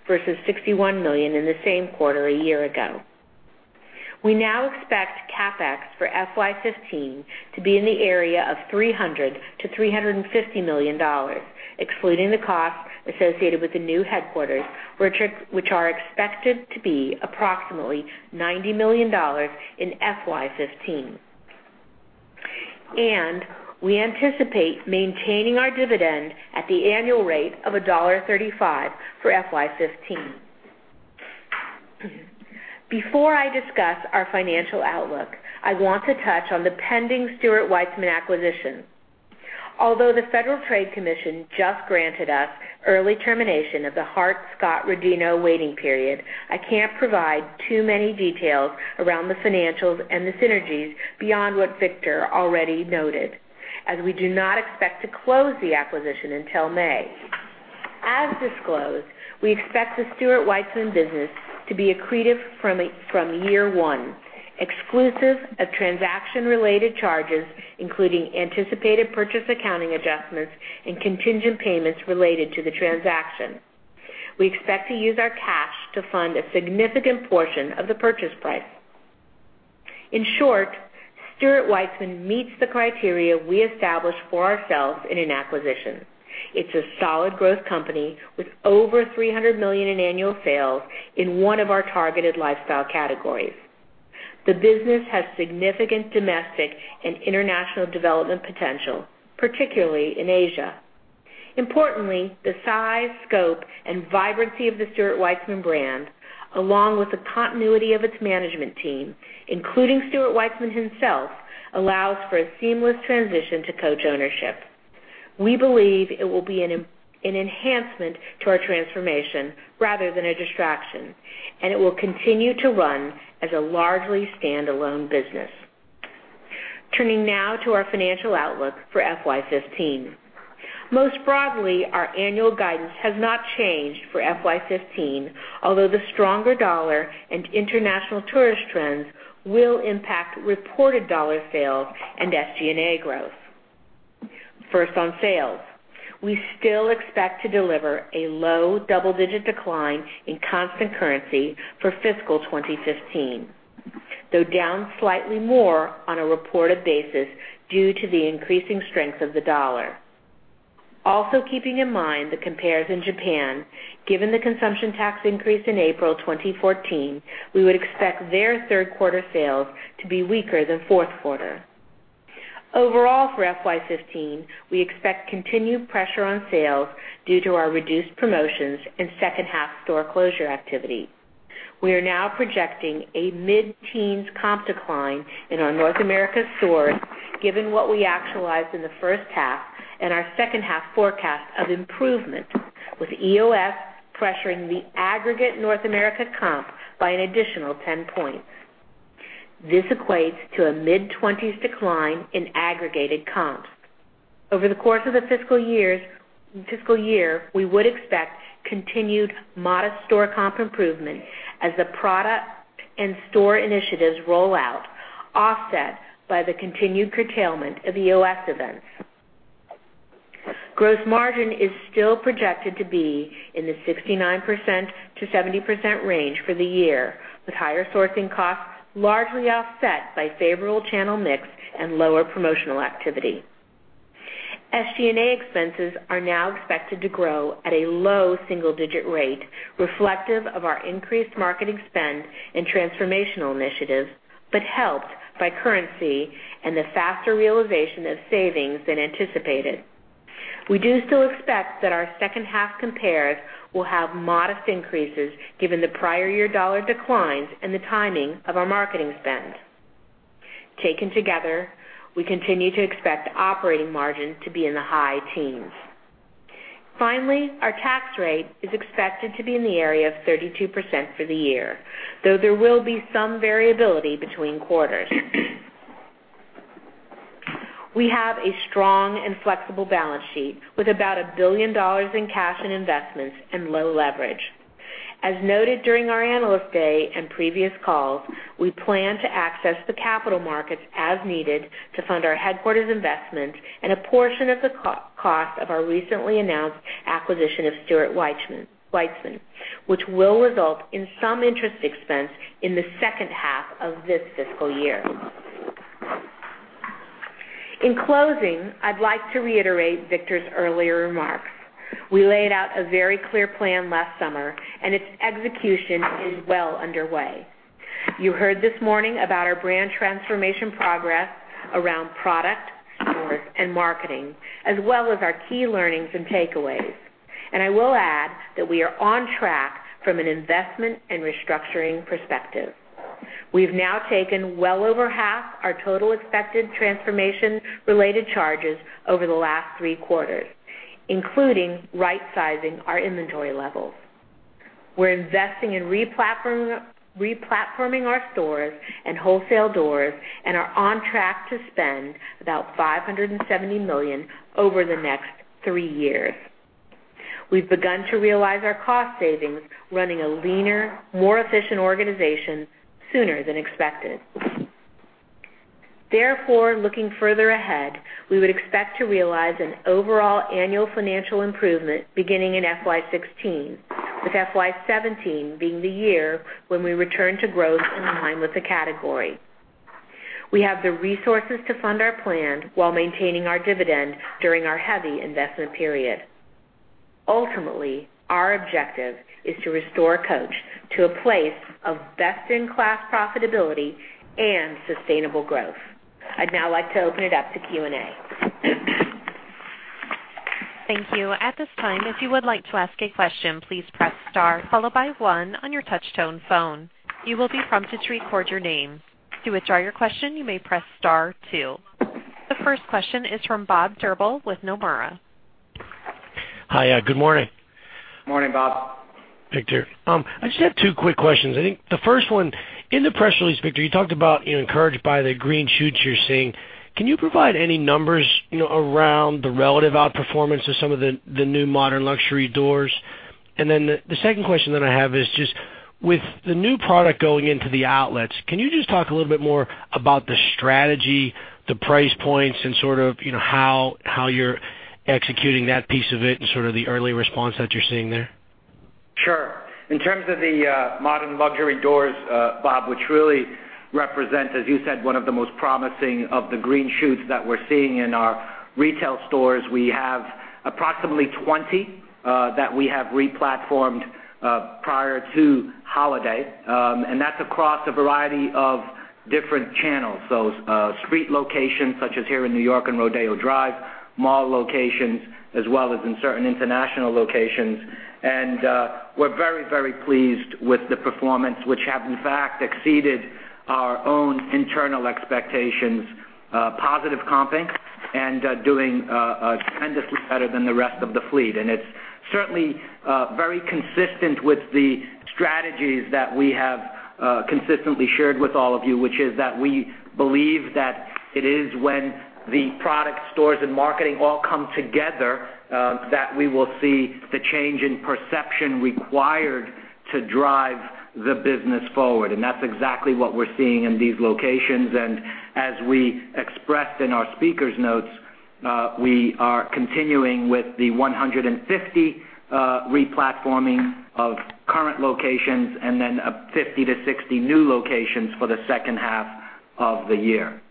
[SPEAKER 4] versus $61 million in the same quarter a year ago. We now expect CapEx for FY 2015 to be in the area of $300 million-$350 million, excluding the cost associated with the new headquarters, which are expected to be approximately $90 million in FY 2015. We anticipate maintaining our dividend at the annual rate of $1.35 for FY 2015. Before I discuss our financial outlook, I want to touch on the pending Stuart Weitzman acquisition. Although the Federal Trade Commission just granted us early termination of the Hart-Scott-Rodino waiting period, I can't provide too many details around the financials and the synergies beyond what Victor already noted, as we do not expect to close the acquisition until May. As disclosed, we expect the Stuart Weitzman business to be accretive from year one, exclusive of transaction-related charges, including anticipated purchase accounting adjustments and contingent payments related to the transaction. We expect to use our cash to fund a significant portion of the purchase price. In short, Stuart Weitzman meets the criteria we established for ourselves in an acquisition. It's a solid growth company with over $300 million in annual sales in one of our targeted lifestyle categories. The business has significant domestic and international development potential, particularly in Asia. Importantly, the size, scope, and vibrancy of the Stuart Weitzman brand, along with the continuity of its management team, including Stuart Weitzman himself, allows for a seamless transition to Coach ownership. We believe it will be an enhancement to our transformation rather than a distraction, and it will continue to run as a largely standalone business. Turning now to our financial outlook for FY 2015. Most broadly, our annual guidance has not changed for FY 2015, although the stronger dollar and international tourist trends will impact reported dollar sales and SG&A growth. First, on sales. We still expect to deliver a low double-digit decline in constant currency for fiscal 2015, though down slightly more on a reported basis due to the increasing strength of the dollar. Also keeping in mind the compares in Japan, given the consumption tax increase in April 2014, we would expect their third quarter sales to be weaker than fourth quarter. Overall, for FY 2015, we expect continued pressure on sales due to our reduced promotions and second-half store closure activity. We are now projecting a mid-teens comp decline in our North America stores, given what we actualized in the first half and our second half forecast of improvement, with EOS pressuring the aggregate North America comp by an additional 10 points. This equates to a mid-20s decline in aggregated comps. Over the course of the fiscal year, we would expect continued modest store comp improvement as the product and store initiatives roll out, offset by the continued curtailment of EOS events. Gross margin is still projected to be in the 69%-70% range for the year, with higher sourcing costs largely offset by favorable channel mix and lower promotional activity. SG&A expenses are now expected to grow at a low single-digit rate, reflective of our increased marketing spend and transformational initiatives, but helped by currency and the faster realization of savings than anticipated. We do still expect that our second half compares will have modest increases given the prior year dollar declines and the timing of our marketing spend. Taken together, we continue to expect operating margins to be in the high teens. Finally, our tax rate is expected to be in the area of 32% for the year, though there will be some variability between quarters. We have a strong and flexible balance sheet with about $1 billion in cash and investments and low leverage. As noted during our Analyst Day and previous calls, we plan to access the capital markets as needed to fund our headquarters investments and a portion of the cost of our recently announced acquisition of Stuart Weitzman, which will result in some interest expense in the second half of this fiscal year. In closing, I'd like to reiterate Victor's earlier remarks. We laid out a very clear plan last summer, its execution is well underway. You heard this morning about our brand transformation progress around product, stores, and marketing, as well as our key learnings and takeaways. I will add that we are on track from an investment and restructuring perspective. We've now taken well over half our total expected transformation-related charges over the last three quarters, including right-sizing our inventory levels. We're investing in re-platforming our stores and wholesale doors and are on track to spend about $570 million over the next three years. We've begun to realize our cost savings, running a leaner, more efficient organization sooner than expected. Therefore, looking further ahead, we would expect to realize an overall annual financial improvement beginning in FY 2016, with FY 2017 being the year when we return to growth in line with the category. We have the resources to fund our plan while maintaining our dividend during our heavy investment period. Ultimately, our objective is to restore Coach to a place of best-in-class profitability and sustainable growth. I'd now like to open it up to Q&A.
[SPEAKER 1] Thank you. At this time, if you would like to ask a question, please press star followed by one on your touch tone phone. You will be prompted to record your name. To withdraw your question, you may press star two. The first question is from Bob Drbul with Nomura.
[SPEAKER 5] Hi. Good morning.
[SPEAKER 4] Morning, Bob.
[SPEAKER 5] Victor. I just have two quick questions. I think the first one, in the press release, Victor, you talked about encouraged by the green shoots you're seeing. Can you provide any numbers around the relative outperformance of some of the new modern luxury doors? The second question that I have is just with the new product going into the outlets, can you just talk a little bit more about the strategy, the price points, and sort of how you're executing that piece of it and sort of the early response that you're seeing there?
[SPEAKER 4] Sure. In terms of the modern luxury doors, Bob, which really represent, as you said, one of the most promising of the green shoots that we're seeing in our retail stores. We have approximately 20 that we have re-platformed prior to holiday, and that's across a variety of different channels. Street locations such as here in New York and Rodeo Drive, mall locations, as well as in certain international locations. We're very, very pleased with the performance, which have in fact exceeded our own internal expectations, positive comping
[SPEAKER 3] Doing tremendously better than the rest of the fleet. It's certainly very consistent with the strategies that we have consistently shared with all of you, which is that we believe that it is when the product stores and marketing all come together, that we will see the change in perception required to drive the business forward. That's exactly what we're seeing in these locations. As we expressed in our speaker's notes, we are continuing with the 150 re-platforming of current locations and then 50 to 60 new locations for the second half of the year.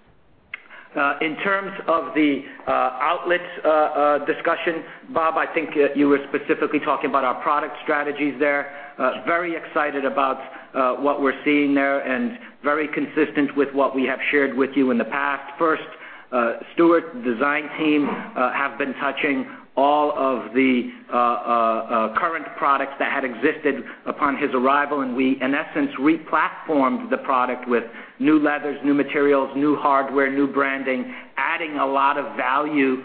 [SPEAKER 3] In terms of the outlets discussion, Bob, I think you were specifically talking about our product strategies there. Very excited about what we're seeing there, and very consistent with what we have shared with you in the past. First, Stuart design team have been touching all of the current products that had existed upon his arrival, and we, in essence, re-platformed the product with new leathers, new materials, new hardware, new branding, adding a lot of value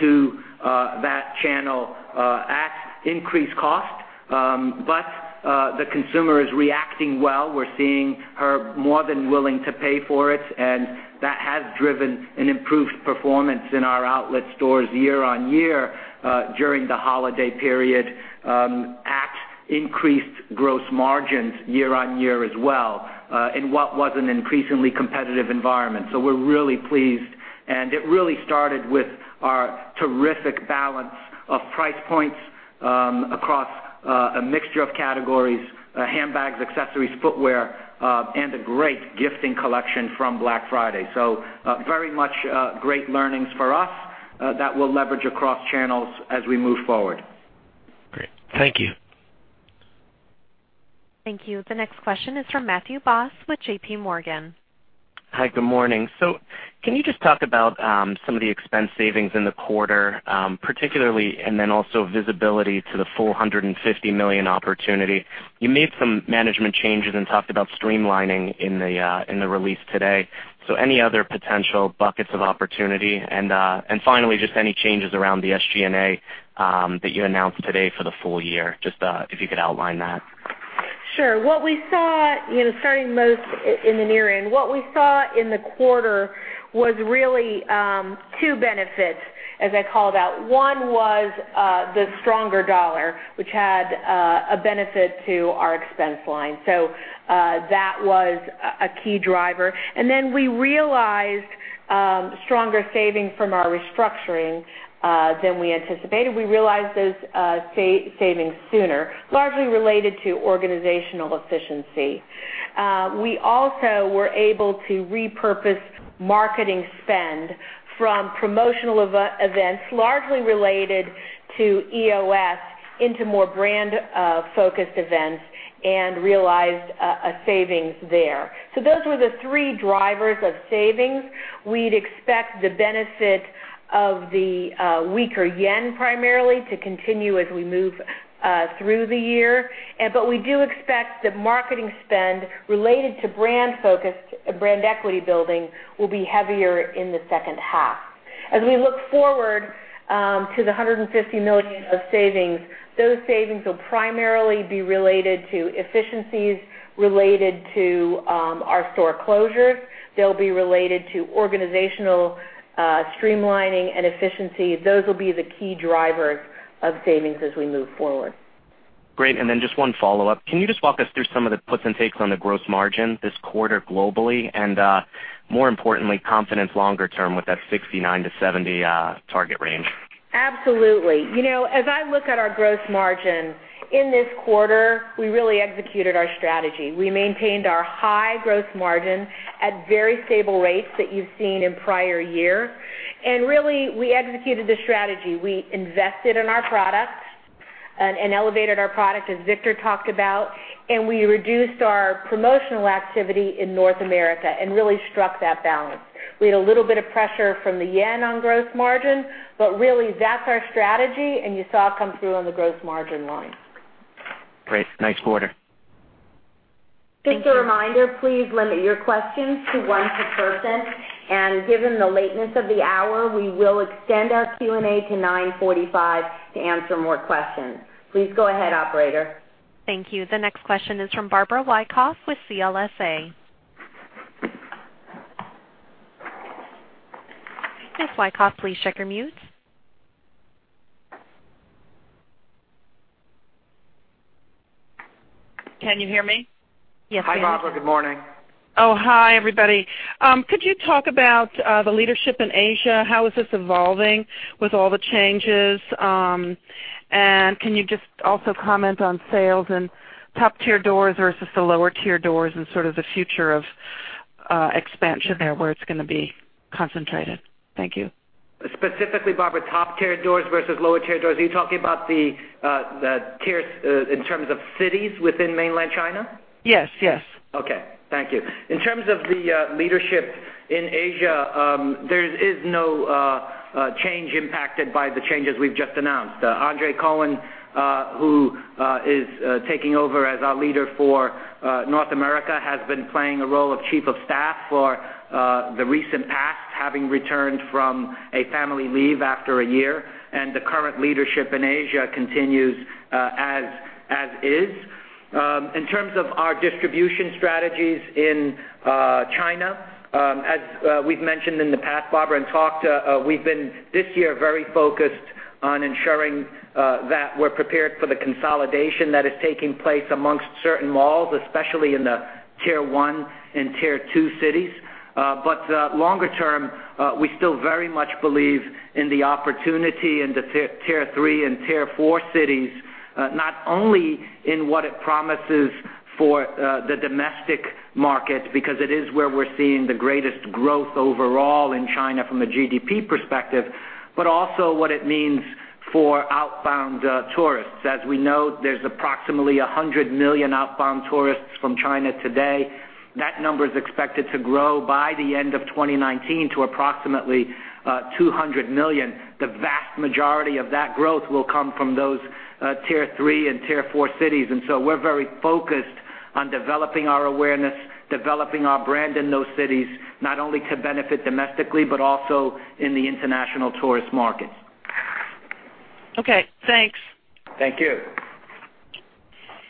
[SPEAKER 3] to that channel at increased cost. The consumer is reacting well. We're seeing her more than willing to pay for it, and that has driven an improved performance in our outlet stores year-on-year, during the holiday period, at increased gross margins year-on-year as well, in what was an increasingly competitive environment. We're really pleased, and it really started with our terrific balance of price points across a mixture of categories, handbags, accessories, footwear, and a great gifting collection from Black Friday. Very much great learnings for us that we'll leverage across channels as we move forward.
[SPEAKER 5] Great. Thank you.
[SPEAKER 2] Thank you. The next question is from Matthew Boss with J.P. Morgan.
[SPEAKER 6] Hi, good morning. Can you just talk about some of the expense savings in the quarter, particularly, and then also visibility to the $450 million opportunity. You made some management changes and talked about streamlining in the release today. Any other potential buckets of opportunity, and finally, just any changes around the SG&A that you announced today for the full year, just if you could outline that.
[SPEAKER 4] Sure. Starting most in the near end, what we saw in the quarter was really two benefits, as I called out. One was the stronger dollar, which had a benefit to our expense line. That was a key driver. We realized stronger savings from our restructuring than we anticipated. We realized those savings sooner, largely related to organizational efficiency. We also were able to repurpose marketing spend from promotional events, largely related to EOS, into more brand-focused events and realized a saving there. Those were the three drivers of savings. We'd expect the benefit of the weaker yen primarily to continue as we move through the year. We do expect that marketing spend related to brand-focused, brand equity building, will be heavier in the second half. As we look forward to the $150 million of savings, those savings will primarily be related to efficiencies related to our store closures. They'll be related to organizational streamlining and efficiency. Those will be the key drivers of savings as we move forward.
[SPEAKER 6] Great. Then just one follow-up. Can you just walk us through some of the puts and takes on the gross margin this quarter globally, and more importantly, confidence longer term with that 69 to 70 target range?
[SPEAKER 4] Absolutely. As I look at our gross margin in this quarter, we really executed our strategy. We maintained our high gross margin at very stable rates that you've seen in prior year. Really, we executed the strategy. We invested in our products and elevated our product, as Victor talked about, and we reduced our promotional activity in North America and really struck that balance. We had a little bit of pressure from the yen on gross margin, really, that's our strategy, and you saw it come through on the gross margin line.
[SPEAKER 6] Great. Nice quarter.
[SPEAKER 4] Thank you.
[SPEAKER 2] Just a reminder, please limit your questions to one per person. Given the lateness of the hour, we will extend our Q&A to 9:45 to answer more questions. Please go ahead, operator. Thank you. The next question is from Barbara Wyckoff with CLSA. Ms. Wyckoff, please check your mute.
[SPEAKER 7] Can you hear me?
[SPEAKER 2] Yes, we can.
[SPEAKER 3] Hi, Barbara. Good morning.
[SPEAKER 7] Oh, hi, everybody. Could you talk about the leadership in Asia? How is this evolving with all the changes? Can you just also comment on sales in top-tier doors versus the lower-tier doors and sort of the future of expansion there, where it's going to be concentrated? Thank you.
[SPEAKER 3] Specifically, Barbara, top-tier doors versus lower-tier doors. Are you talking about the tiers in terms of cities within mainland China?
[SPEAKER 7] Yes, yes.
[SPEAKER 3] Okay. Thank you. In terms of the leadership in Asia, there is no change impacted by the changes we've just announced. Andre Cohen, who is taking over as our leader for North America, has been playing a role of chief of staff for the recent past, having returned from a family leave after a year, and the current leadership in Asia continues as is. In terms of our distribution strategies in China, as we've mentioned in the past, Barbara, we've been, this year, very focused on ensuring that we're prepared for the consolidation that is taking place amongst certain malls, especially in the Tier 1 and Tier 2 cities. Longer term, we still very much believe in the opportunity in the tier 3 and tier 4 cities, not only in what it promises for the domestic market, because it is where we're seeing the greatest growth overall in China from a GDP perspective, but also what it means for outbound tourists. As we know, there's approximately 100 million outbound tourists from China today. That number is expected to grow by the end of 2019 to approximately 200 million. The vast majority of that growth will come from those tier 3 and tier 4 cities. We're very focused on developing our awareness, developing our brand in those cities, not only to benefit domestically, but also in the international tourist markets.
[SPEAKER 4] Okay, thanks.
[SPEAKER 3] Thank you.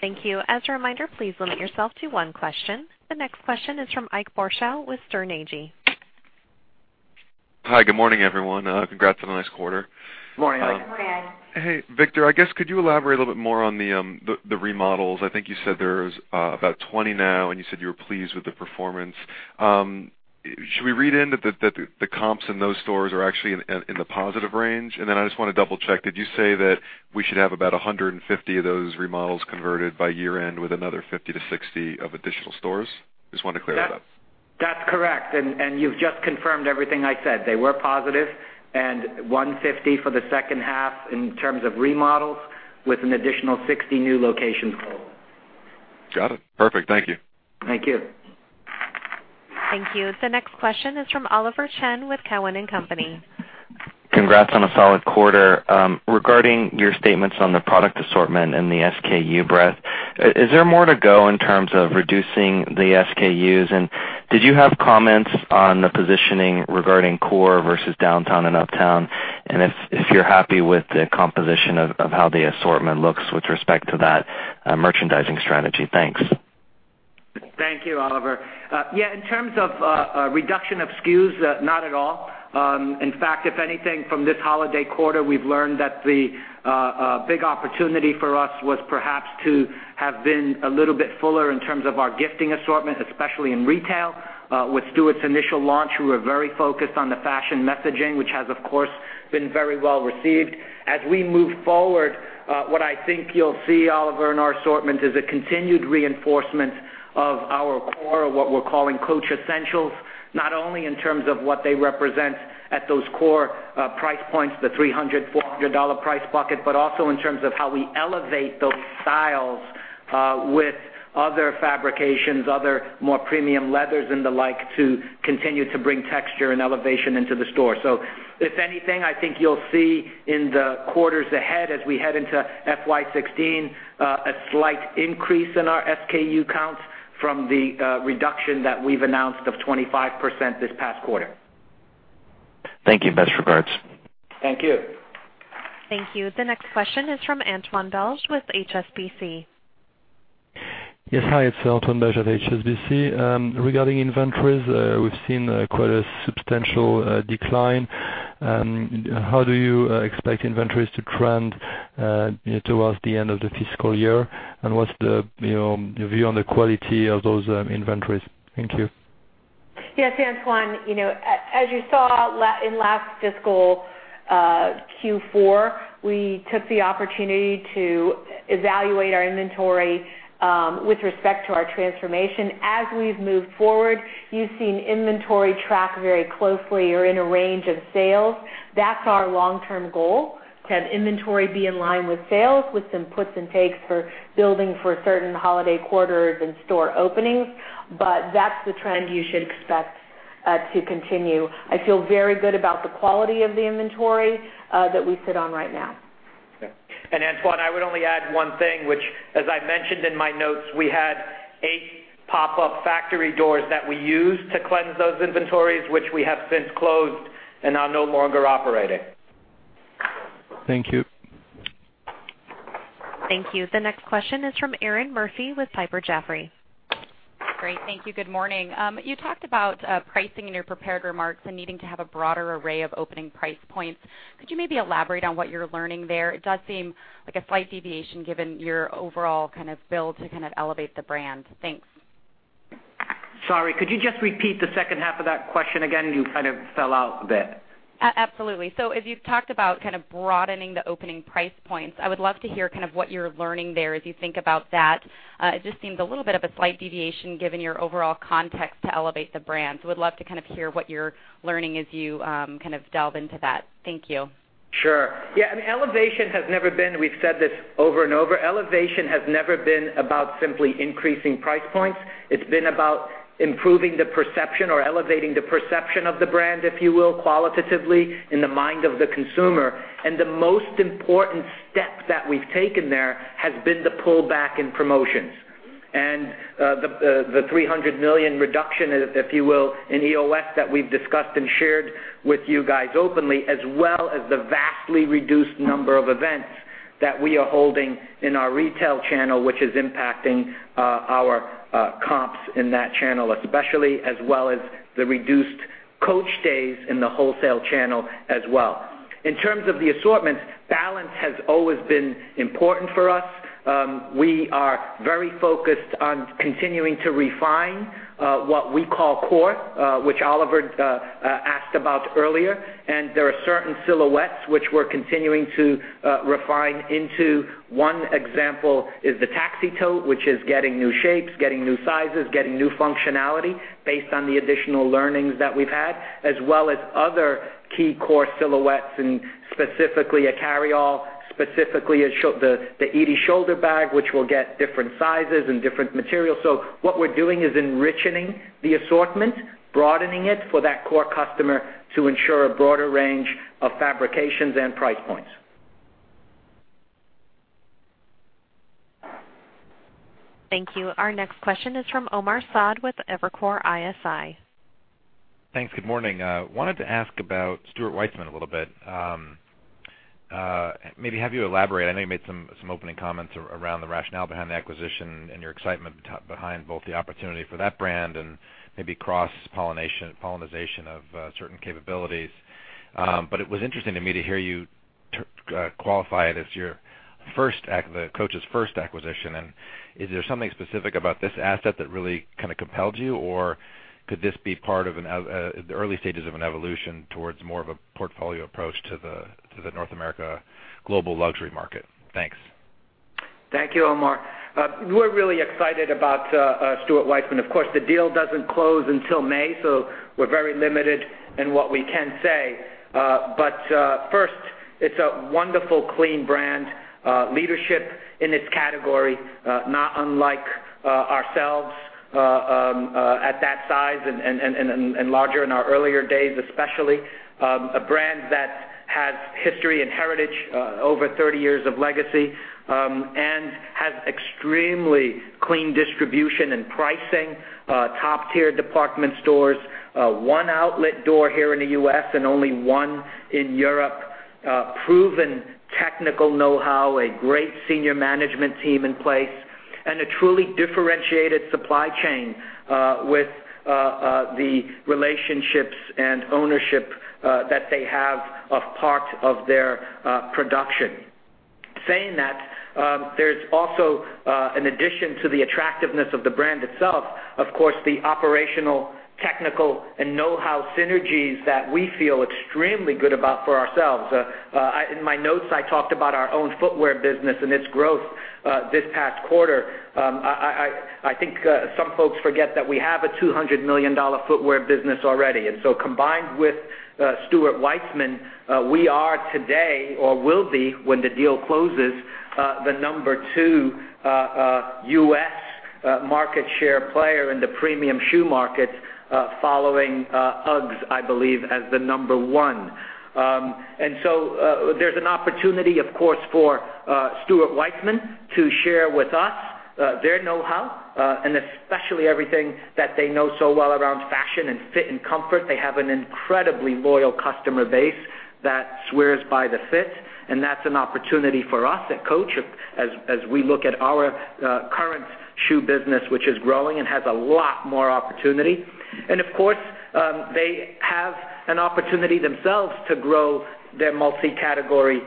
[SPEAKER 1] Thank you. As a reminder, please limit yourself to one question. The next question is from Ike Boruchow with Sterne Agee.
[SPEAKER 8] Hi, good morning, everyone. Congrats on a nice quarter.
[SPEAKER 3] Morning.
[SPEAKER 4] Good morning.
[SPEAKER 8] Hey, Victor, I guess could you elaborate a little bit more on the remodels? I think you said there's about 20 now, and you said you were pleased with the performance. Should we read in that the comps in those stores are actually in the positive range? I just want to double-check, did you say that we should have about 150 of those remodels converted by year-end with another 50-60 of additional stores? Just want to clear that up.
[SPEAKER 3] That's correct. You've just confirmed everything I said. They were positive, and 150 for the second half in terms of remodels with an additional 60 new locations opened.
[SPEAKER 8] Got it. Perfect. Thank you.
[SPEAKER 3] Thank you.
[SPEAKER 1] Thank you. The next question is from Oliver Chen with Cowen and Company.
[SPEAKER 9] Congrats on a solid quarter. Regarding your statements on the product assortment and the SKU breadth, is there more to go in terms of reducing the SKUs? Did you have comments on the positioning regarding core versus downtown and uptown, and if you're happy with the composition of how the assortment looks with respect to that merchandising strategy? Thanks.
[SPEAKER 3] Thank you, Oliver. In terms of reduction of SKUs, not at all. In fact, if anything, from this holiday quarter, we've learned that the big opportunity for us was perhaps to have been a little bit fuller in terms of our gifting assortment, especially in retail. With Stuart's initial launch, we were very focused on the fashion messaging, which has, of course, been very well received. As we move forward, what I think you'll see, Oliver, in our assortment is a continued reinforcement of our core, or what we're calling Coach Essentials, not only in terms of what they represent at those core price points, the $300, $400 price bucket, but also in terms of how we elevate those styles with other fabrications, other more premium leathers and the like to continue to bring texture and elevation into the store. If anything, I think you'll see in the quarters ahead as we head into FY 2016, a slight increase in our SKU counts from the reduction that we've announced of 25% this past quarter.
[SPEAKER 9] Thank you. Best regards.
[SPEAKER 3] Thank you.
[SPEAKER 1] Thank you. The next question is from Antoine Belge with HSBC.
[SPEAKER 10] Yes. Hi, it's Antoine Belge of HSBC. Regarding inventories, we've seen quite a substantial decline. How do you expect inventories to trend towards the end of the fiscal year? What's your view on the quality of those inventories? Thank you.
[SPEAKER 4] Yes, Antoine. As you saw in last fiscal Q4, we took the opportunity to evaluate our inventory with respect to our transformation. As we've moved forward, you've seen inventory track very closely or in a range of sales. That's our long-term goal: to have inventory be in line with sales, with some puts and takes for building for certain holiday quarters and store openings. That's the trend you should expect to continue. I feel very good about the quality of the inventory that we sit on right now.
[SPEAKER 3] Antoine, I would only add one thing, which as I mentioned in my notes, we had eight pop-up factory doors that we used to cleanse those inventories, which we have since closed and are no longer operating.
[SPEAKER 10] Thank you.
[SPEAKER 1] Thank you. The next question is from Erinn Murphy with Piper Jaffray.
[SPEAKER 11] Great. Thank you. Good morning. You talked about pricing in your prepared remarks and needing to have a broader array of opening price points. Could you maybe elaborate on what you're learning there? It does seem like a slight deviation given your overall build to elevate the brand. Thanks.
[SPEAKER 3] Sorry, could you just repeat the second half of that question again? You kind of fell out a bit.
[SPEAKER 11] Absolutely. As you've talked about broadening the opening price points, I would love to hear what you're learning there as you think about that. It just seems a little bit of a slight deviation given your overall context to elevate the brand. Would love to hear what you're learning as you delve into that. Thank you.
[SPEAKER 3] Sure. We've said this over and over. Elevation has never been about simply increasing price points. It's been about improving the perception or elevating the perception of the brand, if you will, qualitatively in the mind of the consumer. The $300 million reduction, if you will, in EOS that we've discussed and shared with you guys openly, as well as the vastly reduced number of events that we are holding in our retail channel, which is impacting our comps in that channel especially, as well as the reduced Coach days in the wholesale channel as well. In terms of the assortments, balance has always been important for us. We are very focused on continuing to refine what we call core, which Oliver asked about earlier. There are certain silhouettes which we're continuing to refine into. One example is the Taxi Tote, which is getting new shapes, getting new sizes, getting new functionality based on the additional learnings that we've had, as well as other key core silhouettes, and specifically a carryall, specifically the Edie shoulder bag, which will get different sizes and different materials. What we're doing is enriching the assortment, broadening it for that core customer to ensure a broader range of fabrications and price points.
[SPEAKER 1] Thank you. Our next question is from Omar Saad with Evercore ISI.
[SPEAKER 12] Thanks. Good morning. Wanted to ask about Stuart Weitzman a little bit. Maybe have you elaborate, I know you made some opening comments around the rationale behind the acquisition and your excitement behind both the opportunity for that brand and maybe cross-pollinization of certain capabilities. It was interesting to me to hear you qualify it as Coach's first acquisition. Is there something specific about this asset that really kind of compelled you, or could this be part of the early stages of an evolution towards more of a portfolio approach to the North America global luxury market? Thanks.
[SPEAKER 3] Thank you, Omar. We're really excited about Stuart Weitzman. Of course, the deal doesn't close until May, so we're very limited in what we can say. First, it's a wonderful, clean brand. Leadership in its category, not unlike ourselves at that size and larger in our earlier days, especially. A brand that has history and heritage, over 30 years of legacy, and has extremely clean distribution and pricing. Top-tier department stores. One outlet door here in the U.S. and only one in Europe. Proven technical knowhow, a great senior management team in place, and a truly differentiated supply chain with the relationships and ownership that they have of part of their production. Saying that, there's also, in addition to the attractiveness of the brand itself, of course, the operational, technical, and knowhow synergies that we feel extremely good about for ourselves. In my notes, I talked about our own footwear business and its growth this past quarter. I think some folks forget that we have a $200 million footwear business already. Combined with Stuart Weitzman, we are today, or will be when the deal closes, the number 2 U.S. market share player in the premium shoe market, following UGG, I believe, as the number 1. There's an opportunity, of course, for Stuart Weitzman to share with us their knowhow, and especially everything that they know so well around fashion and fit and comfort. They have an incredibly loyal customer base that swears by the fit, and that's an opportunity for us at Coach as we look at our current shoe business, which is growing and has a lot more opportunity. Of course, they have an opportunity themselves to grow their multi-category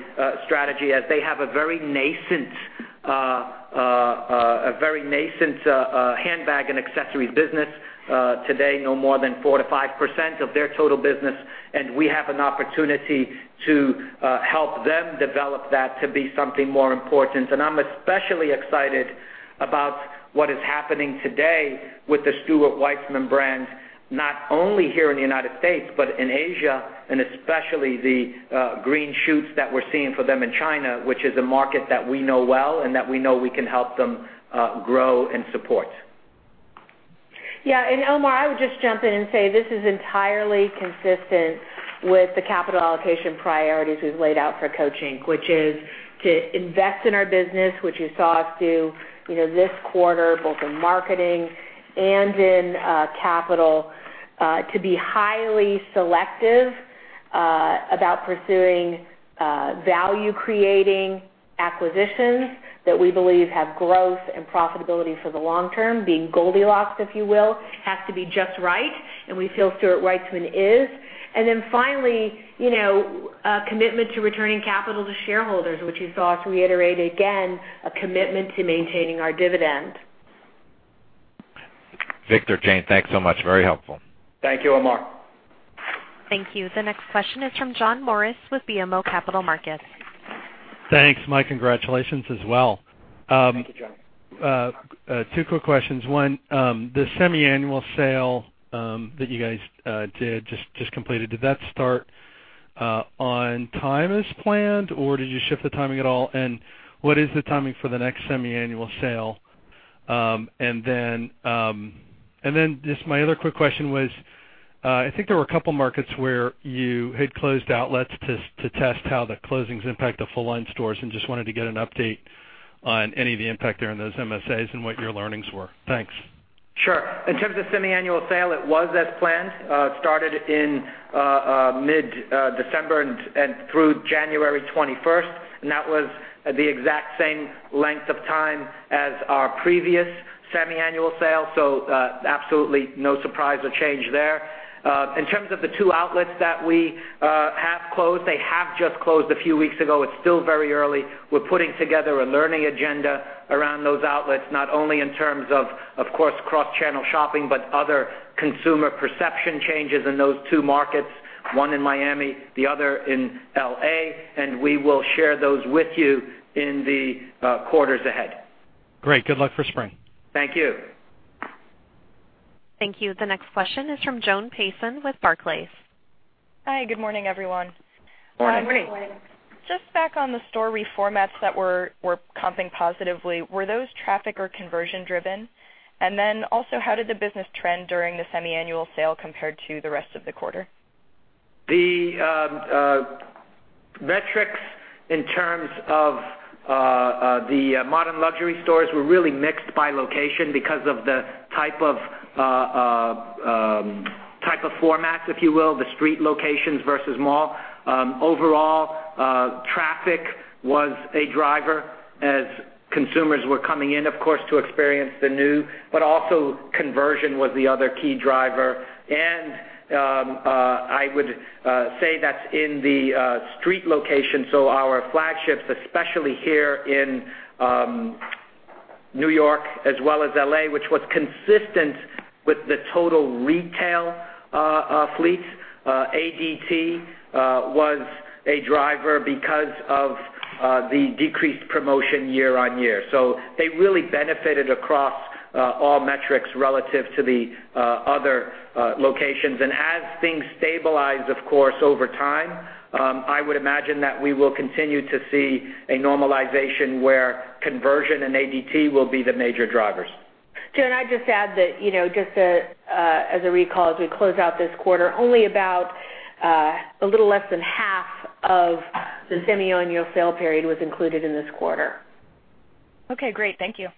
[SPEAKER 3] strategy as they have a very nascent handbag and accessories business. Today, no more than 4%-5% of their total business. We have an opportunity to help them develop that to be something more important. I'm especially excited about what is happening today with the Stuart Weitzman brand, not only here in the United States, but in Asia, and especially the green shoots that we're seeing for them in China, which is a market that we know well and that we know we can help them grow and support.
[SPEAKER 4] Yeah. Omar, I would just jump in and say this is entirely consistent with the capital allocation priorities we've laid out for Coach, Inc., which is to invest in our business, which you saw us do this quarter, both in marketing and in capital, to be highly selective about pursuing value-creating acquisitions that we believe have growth and profitability for the long term. Being Goldilocks, if you will. It has to be just right, and we feel Stuart Weitzman is. Then finally, a commitment to returning capital to shareholders, which you saw us reiterate again, a commitment to maintaining our dividend.
[SPEAKER 12] Victor, Jane, thanks so much. Very helpful.
[SPEAKER 3] Thank you, Omar.
[SPEAKER 1] Thank you. The next question is from John Morris with BMO Capital Markets.
[SPEAKER 13] Thanks. My congratulations as well.
[SPEAKER 3] Thank you, John.
[SPEAKER 13] Two quick questions. One, the semi-annual sale that you guys just completed, did that start on time as planned, or did you shift the timing at all? What is the timing for the next semi-annual sale? Just my other quick question was. I think there were a couple markets where you had closed outlets to test how the closings impact the full-line stores, and just wanted to get an update on any of the impact there in those MSAs and what your learnings were. Thanks.
[SPEAKER 3] Sure. In terms of semi-annual sale, it was as planned. It started in mid-December and through January 21st, and that was the exact same length of time as our previous semi-annual sale. Absolutely no surprise or change there. In terms of the two outlets that we have closed, they have just closed a few weeks ago. It's still very early. We're putting together a learning agenda around those outlets, not only in terms of course, cross-channel shopping, but other consumer perception changes in those two markets, one in Miami, the other in L.A., and we will share those with you in the quarters ahead.
[SPEAKER 13] Great. Good luck for spring.
[SPEAKER 3] Thank you.
[SPEAKER 2] Thank you. The next question is from Joan Payson with Barclays.
[SPEAKER 14] Hi, good morning, everyone.
[SPEAKER 3] Morning.
[SPEAKER 4] Good morning.
[SPEAKER 14] Just back on the store reformats that were comping positively, were those traffic or conversion driven? How did the business trend during the semi-annual sale compare to the rest of the quarter?
[SPEAKER 3] The metrics in terms of the modern luxury stores were really mixed by location because of the type of format, if you will, the street locations versus mall. Overall, traffic was a driver as consumers were coming in, of course, to experience the new, but also conversion was the other key driver, and I would say that's in the street location, so our flagships, especially here in New York as well as L.A., which was consistent with the total retail fleet. ADT was a driver because of the decreased promotion year-over-year. They really benefited across all metrics relative to the other locations. As things stabilize, of course, over time, I would imagine that we will continue to see a normalization where conversion and ADT will be the major drivers.
[SPEAKER 4] Joan, I'd just add that, just as a recall, as we close out this quarter, only about a little less than half of the semi-annual sale period was included in this quarter.
[SPEAKER 14] Okay, great. Thank you.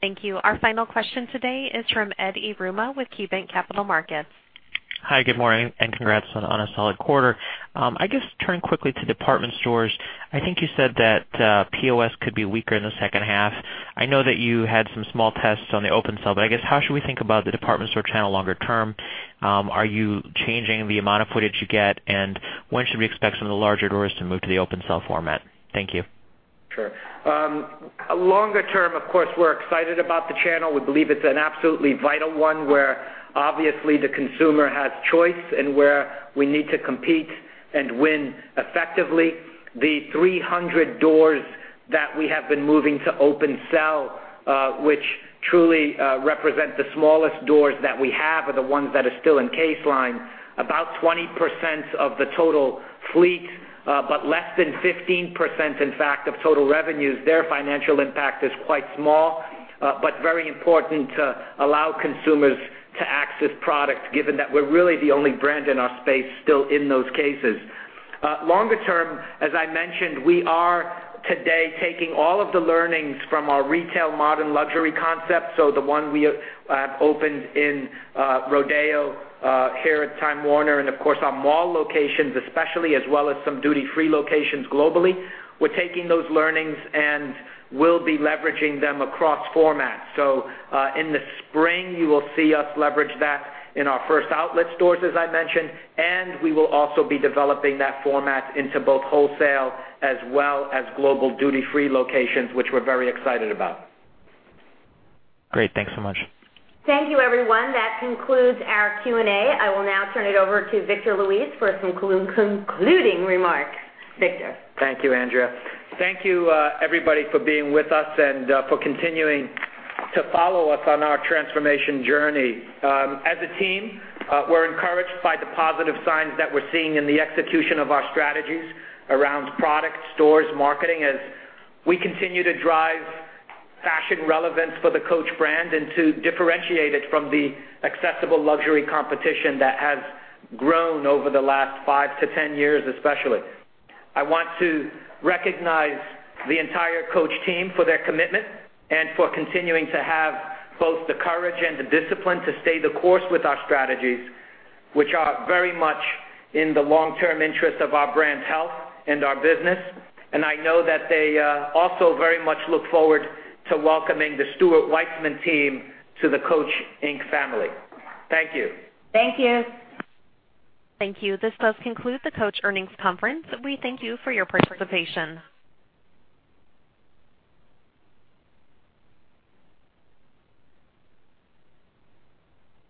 [SPEAKER 2] Thank you. Our final question today is from Edward Yruma with KeyBank Capital Markets.
[SPEAKER 15] Hi, good morning. Congrats on a solid quarter. I guess turning quickly to department stores, I think you said that POS could be weaker in the second half. I know that you had some small tests on the open sale. I guess, how should we think about the department store channel longer term? Are you changing the amount of footage you get? When should we expect some of the larger doors to move to the open sale format? Thank you.
[SPEAKER 3] Sure. Longer term, of course, we're excited about the channel. We believe it's an absolutely vital one where obviously the consumer has choice and where we need to compete and win effectively. The 300 doors that we have been moving to open sale, which truly represent the smallest doors that we have, are the ones that are still in case line. About 20% of the total fleet, but less than 15%, in fact, of total revenues, their financial impact is quite small, but very important to allow consumers to access products, given that we're really the only brand in our space still in those cases. Longer term, as I mentioned, we are today taking all of the learnings from our retail modern luxury concept, so the one we have opened in Rodeo, here at Time Warner, and of course our mall locations especially, as well as some duty-free locations globally. We're taking those learnings, we'll be leveraging them across formats. In the spring, you will see us leverage that in our first outlet stores, as I mentioned, and we will also be developing that format into both wholesale as well as global duty-free locations, which we're very excited about.
[SPEAKER 15] Great. Thanks so much.
[SPEAKER 2] Thank you, everyone. That concludes our Q&A. I will now turn it over to Victor Luis for some concluding remarks. Victor.
[SPEAKER 3] Thank you, Andrea. Thank you, everybody, for being with us and for continuing to follow us on our transformation journey. As a team, we're encouraged by the positive signs that we're seeing in the execution of our strategies around product, stores, marketing, as we continue to drive fashion relevance for the Coach brand and to differentiate it from the accessible luxury competition that has grown over the last five to 10 years, especially. I want to recognize the entire Coach team for their commitment and for continuing to have both the courage and the discipline to stay the course with our strategies, which are very much in the long-term interest of our brand health and our business. I know that they also very much look forward to welcoming the Stuart Weitzman team to the Coach, Inc. family. Thank you.
[SPEAKER 2] Thank you.
[SPEAKER 1] Thank you. This does conclude the Coach earnings conference. We thank you for your participation.